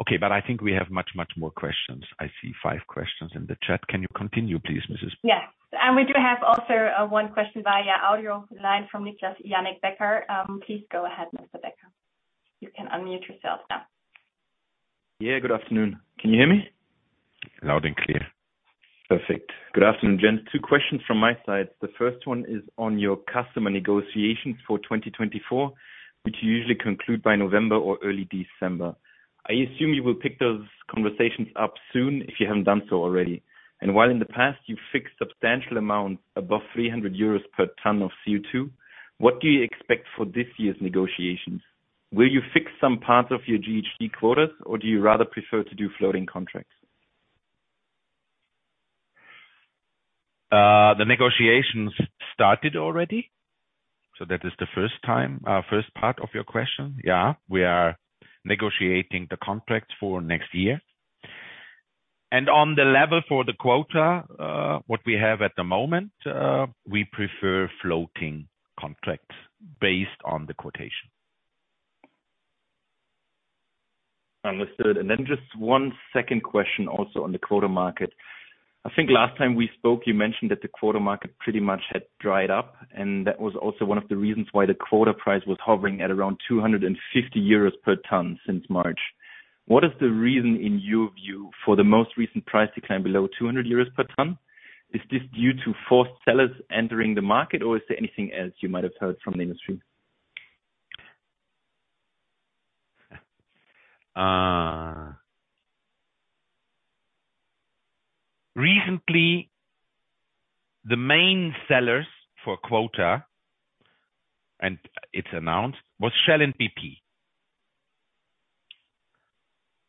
Okay, but I think we have much, much more questions. I see five questions in the chat. Can you continue, please, Mrs. Yeah, and we do have also one question via audio line from Niklas Yannik Becker. Please go ahead, Mr. Becker. You can unmute yourself now. Yeah, good afternoon. Can you hear me? Loud and clear. Perfect. Good afternoon, gents. Two questions from my side. The first one is on your customer negotiations for 2024, which you usually conclude by November or early December. I assume you will pick those conversations up soon if you haven't done so already. And while in the past you fixed substantial amounts above 300 euros per ton of CO2, what do you expect for this year's negotiations? Will you fix some parts of your GHG quotas, or do you rather prefer to do floating contracts? The negotiations started already, so that is the first part of your question. Yeah, we are negotiating the contracts for next year. On the level for the quota, what we have at the moment, we prefer floating contracts based on the quotation. Understood. And then just one second question also on the quota market. I think last time we spoke, you mentioned that the quota market pretty much had dried up, and that was also one of the reasons why the quota price was hovering at around 250 euros per ton since March. What is the reason, in your view, for the most recent price to climb below 200 euros per ton? Is this due to forced sellers entering the market, or is there anything else you might have heard from the industry? Recently, the main sellers for quota, and it's announced, was Shell and BP.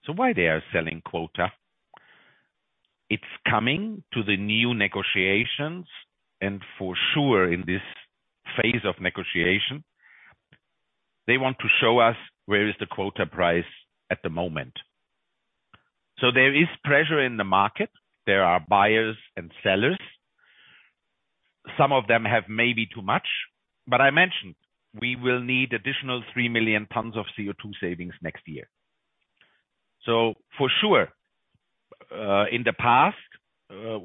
So why they are selling quota? It's coming to the new negotiations and for sure, in this phase of negotiation, they want to show us where is the quota price at the moment. So there is pressure in the market. There are buyers and sellers. Some of them have maybe too much, but I mentioned we will need additional three million tons of CO2 savings next year. So for sure, in the past,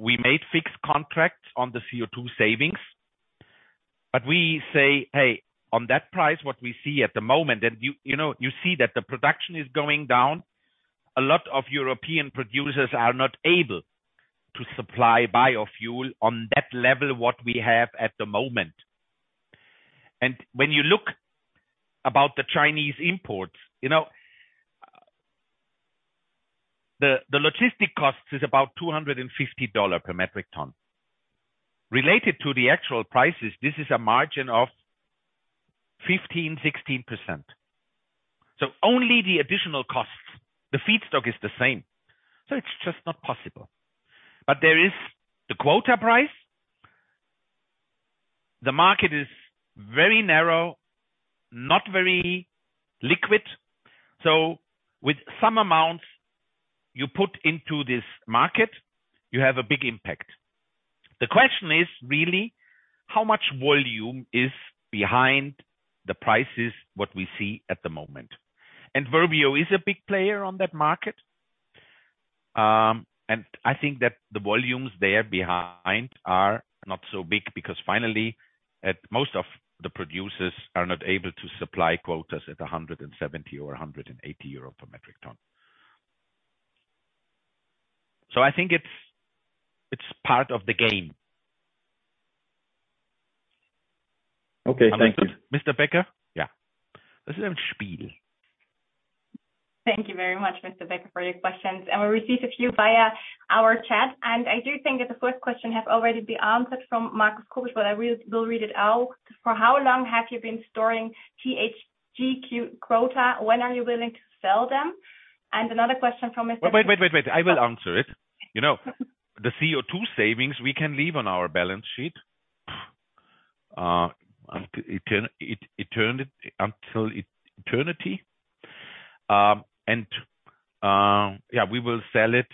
we made fixed contracts on the CO2 savings, but we say, "Hey, on that price, what we see at the moment." And you, you know, you see that the production is going down. A lot of European producers are not able to supply biofuel on that level, what we have at the moment. When you look about the Chinese imports, you know, the logistics cost is about $250 per metric ton. Related to the actual prices, this is a margin of 15%-16%. So only the additional costs, the feedstock is the same, so it's just not possible. But there is the quota price. The market is very narrow, not very liquid, so with some amounts you put into this market, you have a big impact. The question is really, how much volume is behind the prices, what we see at the moment? And Verbio is a big player on that market. And I think that the volumes there behind are not so big, because finally, at most of the producers are not able to supply quotas at 170 or 180 euro per metric ton. I think it's, it's part of the game. Okay, thank you. Mr. Becker? Thank you very much, Mr. Becker, for your questions. We received a few via our chat, and I do think that the first question has already been answered from Marcus Kobach, but I will read it out. For how long have you been storing THG quota? When are you willing to sell them? And another question from Mr. Wait, wait, wait, wait. I will answer it. You know, the CO2 savings we can leave on our balance sheet until eternity. And yeah, we will sell it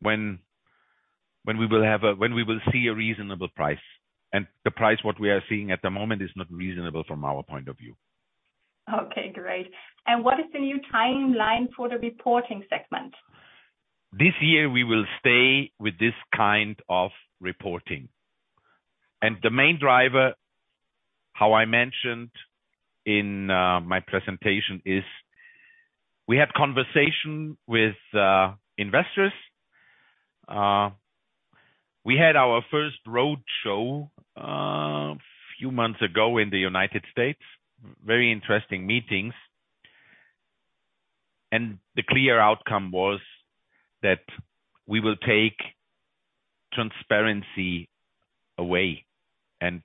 when we will see a reasonable price. And the price what we are seeing at the moment is not reasonable from our point of view. Okay, great. And what is the new timeline for the reporting segment? This year, we will stay with this kind of reporting. And the main driver, how I mentioned in my presentation, is we had conversation with investors. We had our first roadshow a few months ago in the United States. Very interesting meetings. And the clear outcome was that we will take transparency away. And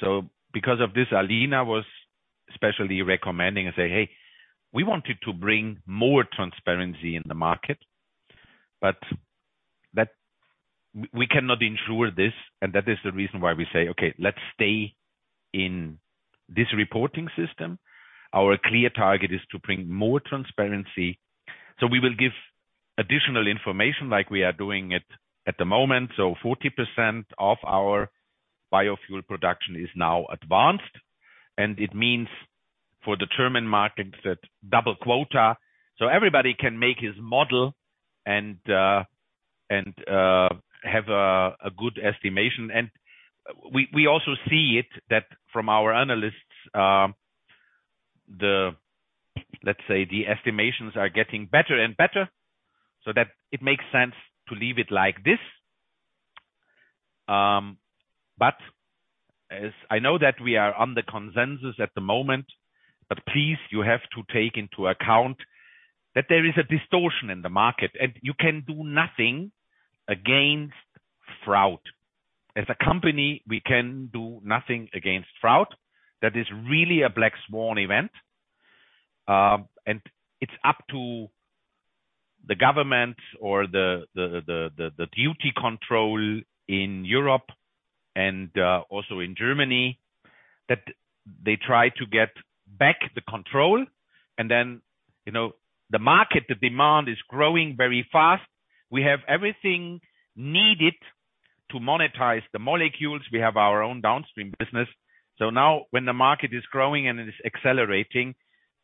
so because of this, Alina was especially recommending and say, "Hey, we wanted to bring more transparency in the market," but that, we cannot ensure this, and that is the reason why we say, "Okay, let's stay in this reporting system." Our clear target is to bring more transparency, so we will give additional information like we are doing it at the moment. So 40% of our biofuel production is now advanced, and it means for the German markets, that double quota. So everybody can make his model and have a good estimation. We also see it that from our analysts, the, let's say, the estimations are getting better and better, so that it makes sense to leave it like this. But as I know that we are on the consensus at the moment, but please, you have to take into account that there is a distortion in the market, and you can do nothing against fraud. As a company, we can do nothing against fraud. That is really a black swan event, and it's up to the government or the duty control in Europe and also in Germany, that they try to get back the control. Then, you know, the market, the demand is growing very fast. We have everything needed to monetize the molecules. We have our own downstream business. So now when the market is growing and it is accelerating,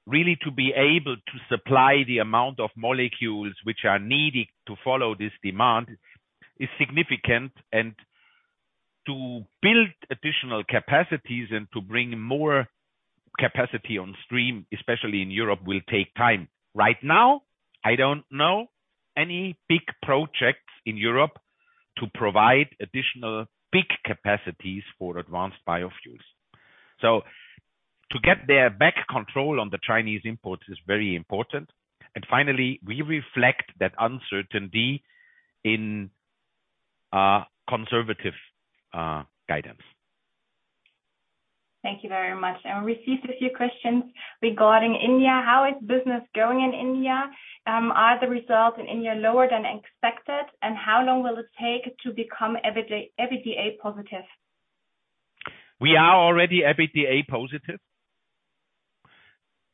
really to be able to supply the amount of molecules which are needed to follow this demand is significant. And to build additional capacities and to bring more capacity on stream, especially in Europe, will take time. Right now, I don't know any big projects in Europe to provide additional big capacities for advanced biofuels. So to get their back control on the Chinese imports is very important. And finally, we reflect that uncertainty in, conservative, guidance. Thank you very much. I received a few questions regarding India. Are the results in India lower than expected, and how long will it take to become EBITDA positive? We are already EBITDA positive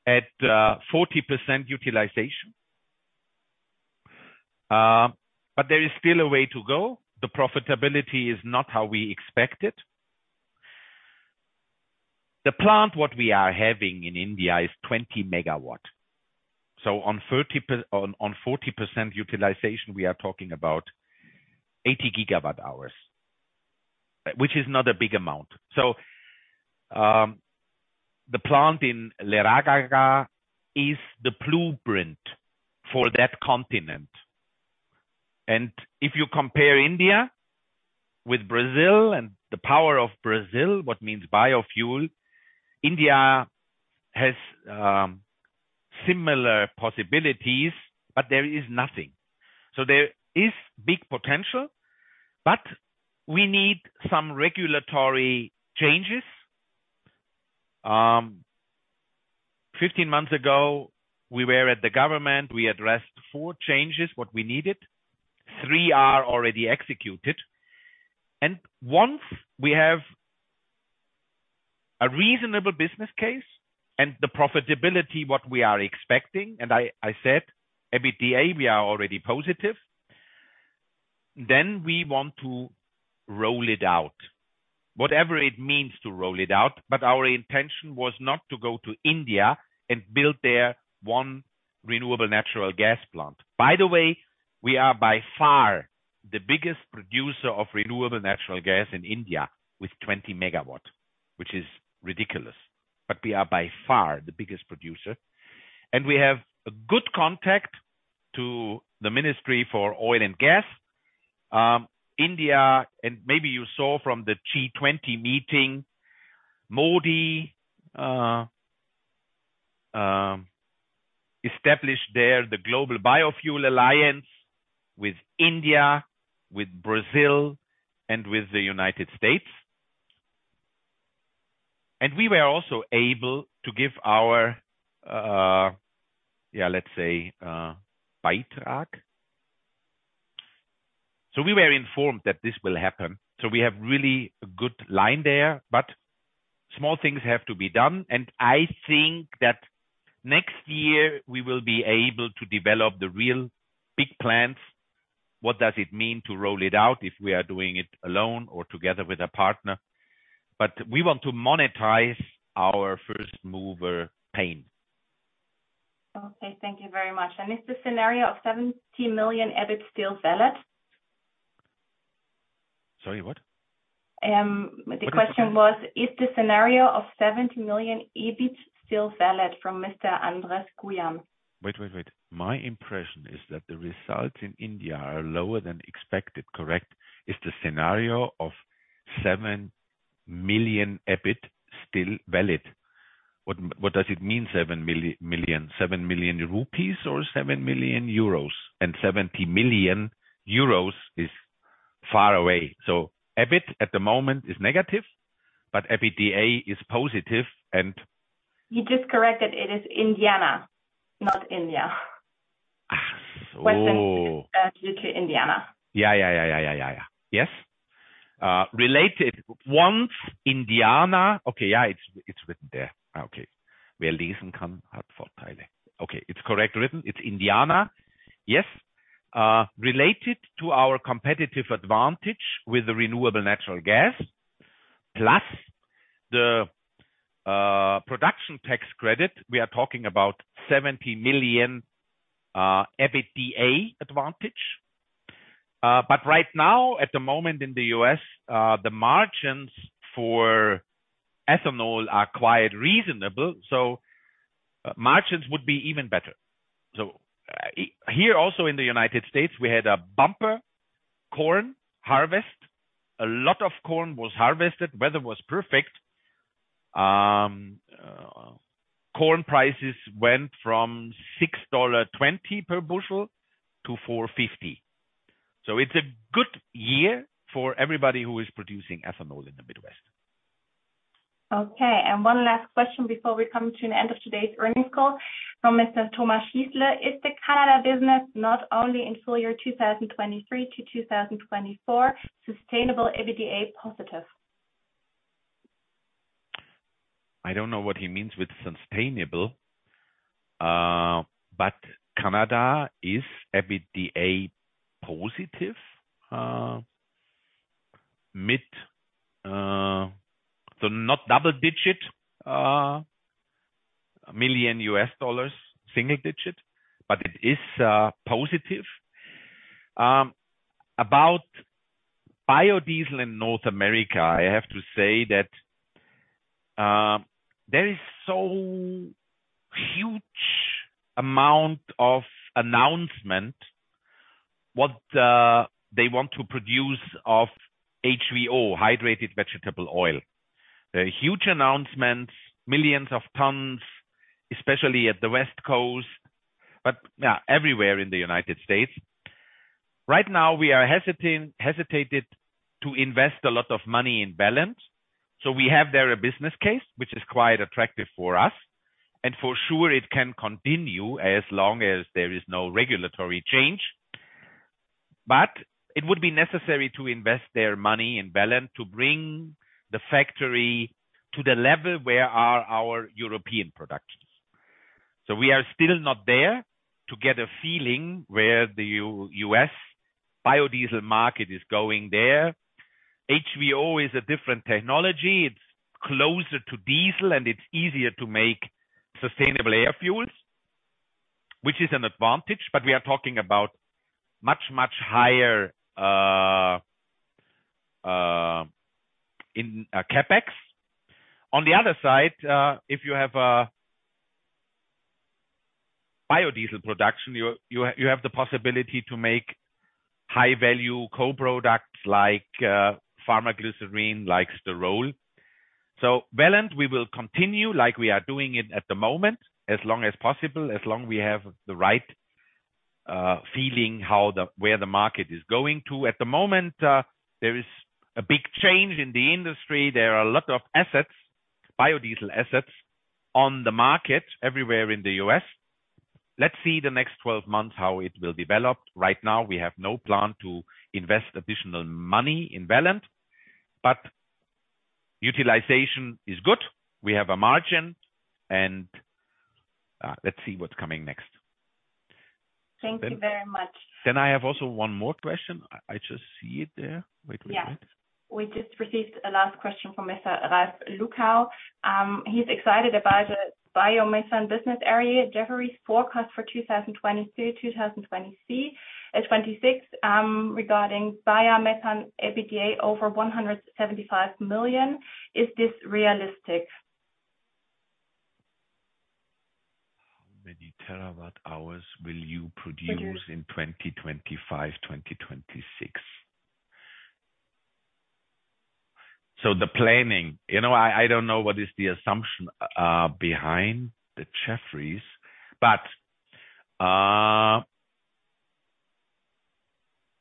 at 40% utilization. But there is still a way to go. The profitability is not how we expected. The plant, what we are having in India, is 20MW. So on 30%, on 40% utilization, we are talking about 80GWh, which is not a big amount. So the plant in Lehragaga is the blueprint for that continent. And if you compare India with Brazil and the power of Brazil, what means biofuel, India has similar possibilities, but there is nothing. So there is big potential, but we need some regulatory changes. 15 months ago, we were at the government. We addressed four changes, what we needed. Three are already executed, and once we have a reasonable business case and the profitability, what we are expecting, and I said, EBITDA, we are already positive, then we want to roll it out. Whatever it means to roll it out, but our intention was not to go to India and build their one renewable natural gas plant. By the way, we are by far the biggest producer of renewable natural gas in India, with 20 megawatt, which is ridiculous. But we are by far the biggest producer, and we have a good contact to the Ministry for Oil and Gas India, and maybe you saw from the G20 meeting, Modi established there the Global Biofuel Alliance with India, with Brazil, and with the United States. And we were also able to give our, yeah, let's say, white paper. So we were informed that this will happen. So we have really a good line there, but small things have to be done, and I think that next year we will be able to develop the real big plans. What does it mean to roll it out if we are doing it alone or together with a partner? But we want to monetize our first mover pain. Okay, thank you very much. Is the scenario of 70 million EBIT still valid? Sorry, what? The question was, is the scenario of 70 million EBIT still valid from Mr. Andres Guyom? Wait, wait, wait. My impression is that the results in India are lower than expected, correct? Is the scenario of seven million EBIT still valid? What does it mean, seven million? seven million rupees or seven million euros? And 70 million euros is far away. So EBIT at the moment is negative, but EBITDA is positive, and. You just corrected. It is Indiana, not India. Ah, Ooh. Question to Indiana. Yeah, yeah, yeah, yeah, yeah, yeah. Yes? Related in Indiana. Okay, yeah, it's written there. Okay. Where these can come out for today. Okay, it's correct written. It's Indiana. Yes. Related to our competitive advantage with the renewable natural gas, plus the production tax credit, we are talking about 70 million EBITDA advantage. But right now, at the moment in the US, the margins for ethanol are quite reasonable, so margins would be even better. So, here also in the United States, we had a bumper corn harvest. A lot of corn was harvested, weather was perfect. Corn prices went from $6.20 per bushel to $4.50. So it's a good year for everybody who is producing ethanol in the Midwest. Okay, and one last question before we come to an end of today's earnings call from Mr. Thomas Schiessle, Is the Canada business not only in full year 2023 to 2024, sustainable EBITDA positive? I don't know what he means with sustainable, but Canada is EBITDA positive, mid, so not double digit, million US dollars, single digit, but it is positive. About biodiesel in North America, I have to say that, there is so huge amount of announcement what, they want to produce of HVO, hydrotreated vegetable oil. There are huge announcements, millions of tons, especially at the West Coast, but, yeah, everywhere in the United States. Right now, we are hesitant to invest a lot of money in Welland. So we have there a business case, which is quite attractive for us, and for sure it can continue as long as there is no regulatory change. But it would be necessary to invest there money in Welland to bring the factory to the level where are our European productions. So we are still not there to get a feeling where the US biodiesel market is going there. HVO is a different technology. It's closer to diesel, and it's easier to make sustainable air fuels, which is an advantage, but we are talking about much, much higher in CapEx. On the other side, if you have a biodiesel production, you have the possibility to make high-value co-products like pharma glycerine, like sterol. So Welland, we will continue like we are doing it at the moment, as long as possible, as long we have the right feeling where the market is going to. At the moment, there is a big change in the industry. There are a lot of assets, biodiesel assets, on the market everywhere in the US Let's see the next 12 months, how it will develop. Right now, we have no plan to invest additional money in Valent, but utilization is good. We have a margin and, let's see what's coming next. Thank you very much. Then I have also one more question. I just see it there. Wait, wait, wait. Yeah. We just received a last question from Mr. Ralph Lucow. He's excited about the biomethane business area, Jefferies forecast for 2022, 2023, and 2026, regarding biomethane, EBITDA over 175 million. Is this realistic? How many TWh will you produce in 2025, 2026? So the planning, you know, I don't know what is the assumption behind the Jefferies, but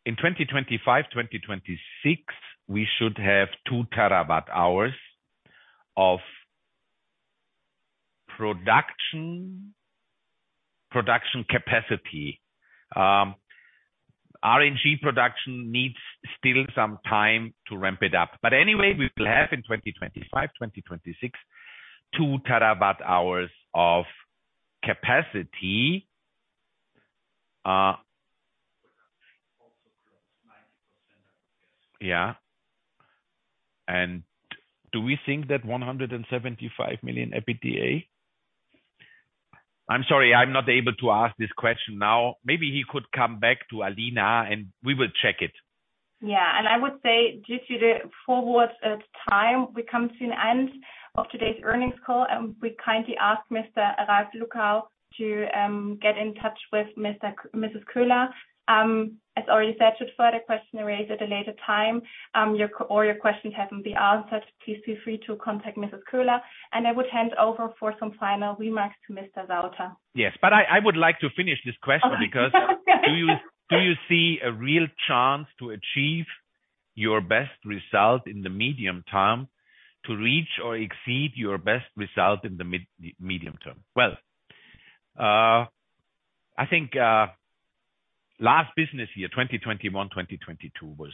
in 2025, 2026, we should have two TWh of production, production capacity. RNG production needs still some time to ramp it up. But anyway, we will have in 2025, 2026, two TWh of capacity. Also, close to 90% of the capacity. Yeah. Do we think that 175 million EBITDA? I'm sorry, I'm not able to ask this question now. Maybe he could come back to Alina, and we will check it. Yeah, and I would say due to the forward time, we come to an end of today's earnings call, and we kindly ask Mr. Ralph Lucow to get in touch with Mrs. Köhler. As already said, should further question raised at a later time, or your questions haven't been answered, please feel free to contact Mrs. Köhler, and I would hand over for some final remarks to Mr. Sauter. Yes, but I would like to finish this question. Okay. Because do you see a real chance to achieve your best result in the medium term, to reach or exceed your best result in the medium term? Well, I think last business year, 2021, 2022, was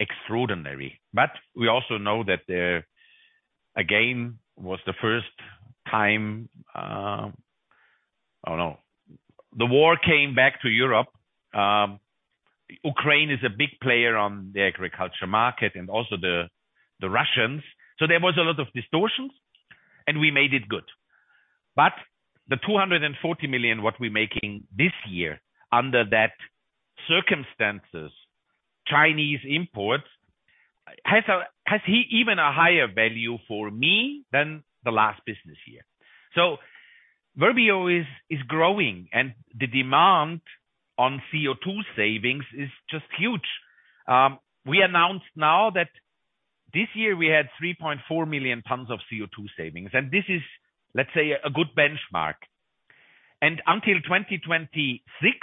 extraordinary. But we also know that there, again, was the first time, I don't know, the war came back to Europe. Ukraine is a big player on the agriculture market and also the Russians. So there was a lot of distortions, and we made it good. But the 240 million, what we're making this year, under that circumstances, Chinese imports, has even a higher value for me than the last business year. So Verbio is growing, and the demand on CO2 savings is just huge. We announced now that this year we had 3.4 million tons of CO2 savings, and this is, let's say, a good benchmark. Until 2026, we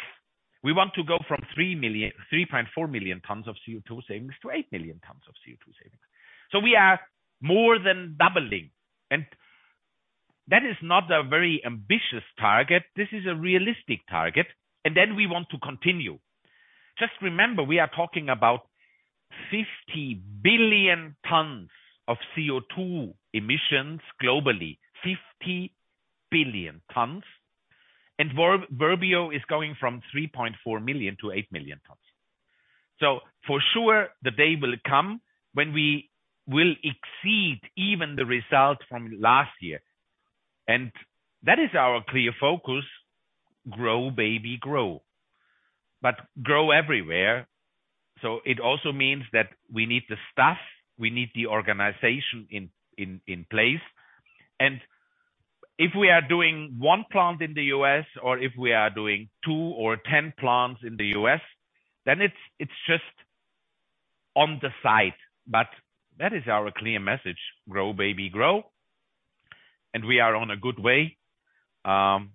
want to go from 3.4 million tons of CO2 savings to eight million tons of CO2 savings. So we are more than doubling, and that is not a very ambitious target. This is a realistic target, and then we want to continue. Just remember, we are talking about 50 billion tons of CO2 emissions globally, 50 billion tons, and Verbio is going from 3.4 million to eight million tons. So for sure, the day will come when we will exceed even the results from last year, and that is our clear focus, grow, baby, grow. But grow everywhere, so it also means that we need the staff, we need the organization in place. And if we are doing one plant in the US, or if we are doing two or ten plants in the US, then it's just on the side. But that is our clear message, grow, baby, grow. And we are on a good way, and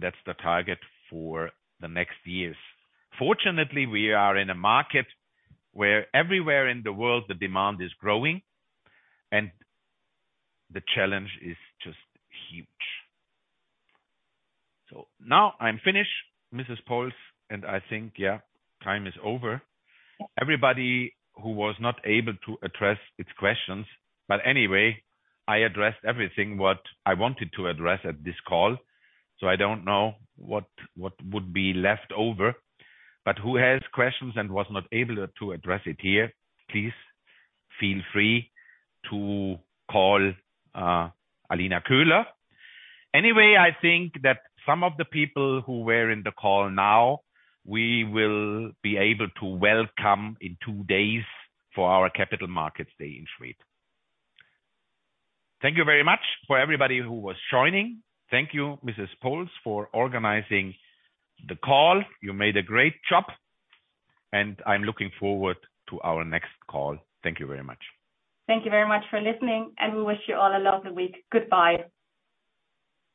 that's the target for the next years. Fortunately, we are in a market where everywhere in the world, the demand is growing, and the challenge is just huge. So now I'm finished, Mrs. Volz, and I think, yeah, time is over. Everybody who was not able to address its questions, but anyway, I addressed everything what I wanted to address at this call, so I don't know what would be left over. But who has questions and was not able to address it here, please feel free to call Alina Köhler. Anyway, I think that some of the people who were in the call now, we will be able to welcome in two days for our Capital Markets Day in Schwedt. Thank you very much for everybody who was joining. Thank you, Mrs. Volz, for organizing the call. You made a great job, and I'm looking forward to our next call. Thank you very much. Thank you very much for listening, and we wish you all a lovely week. Goodbye.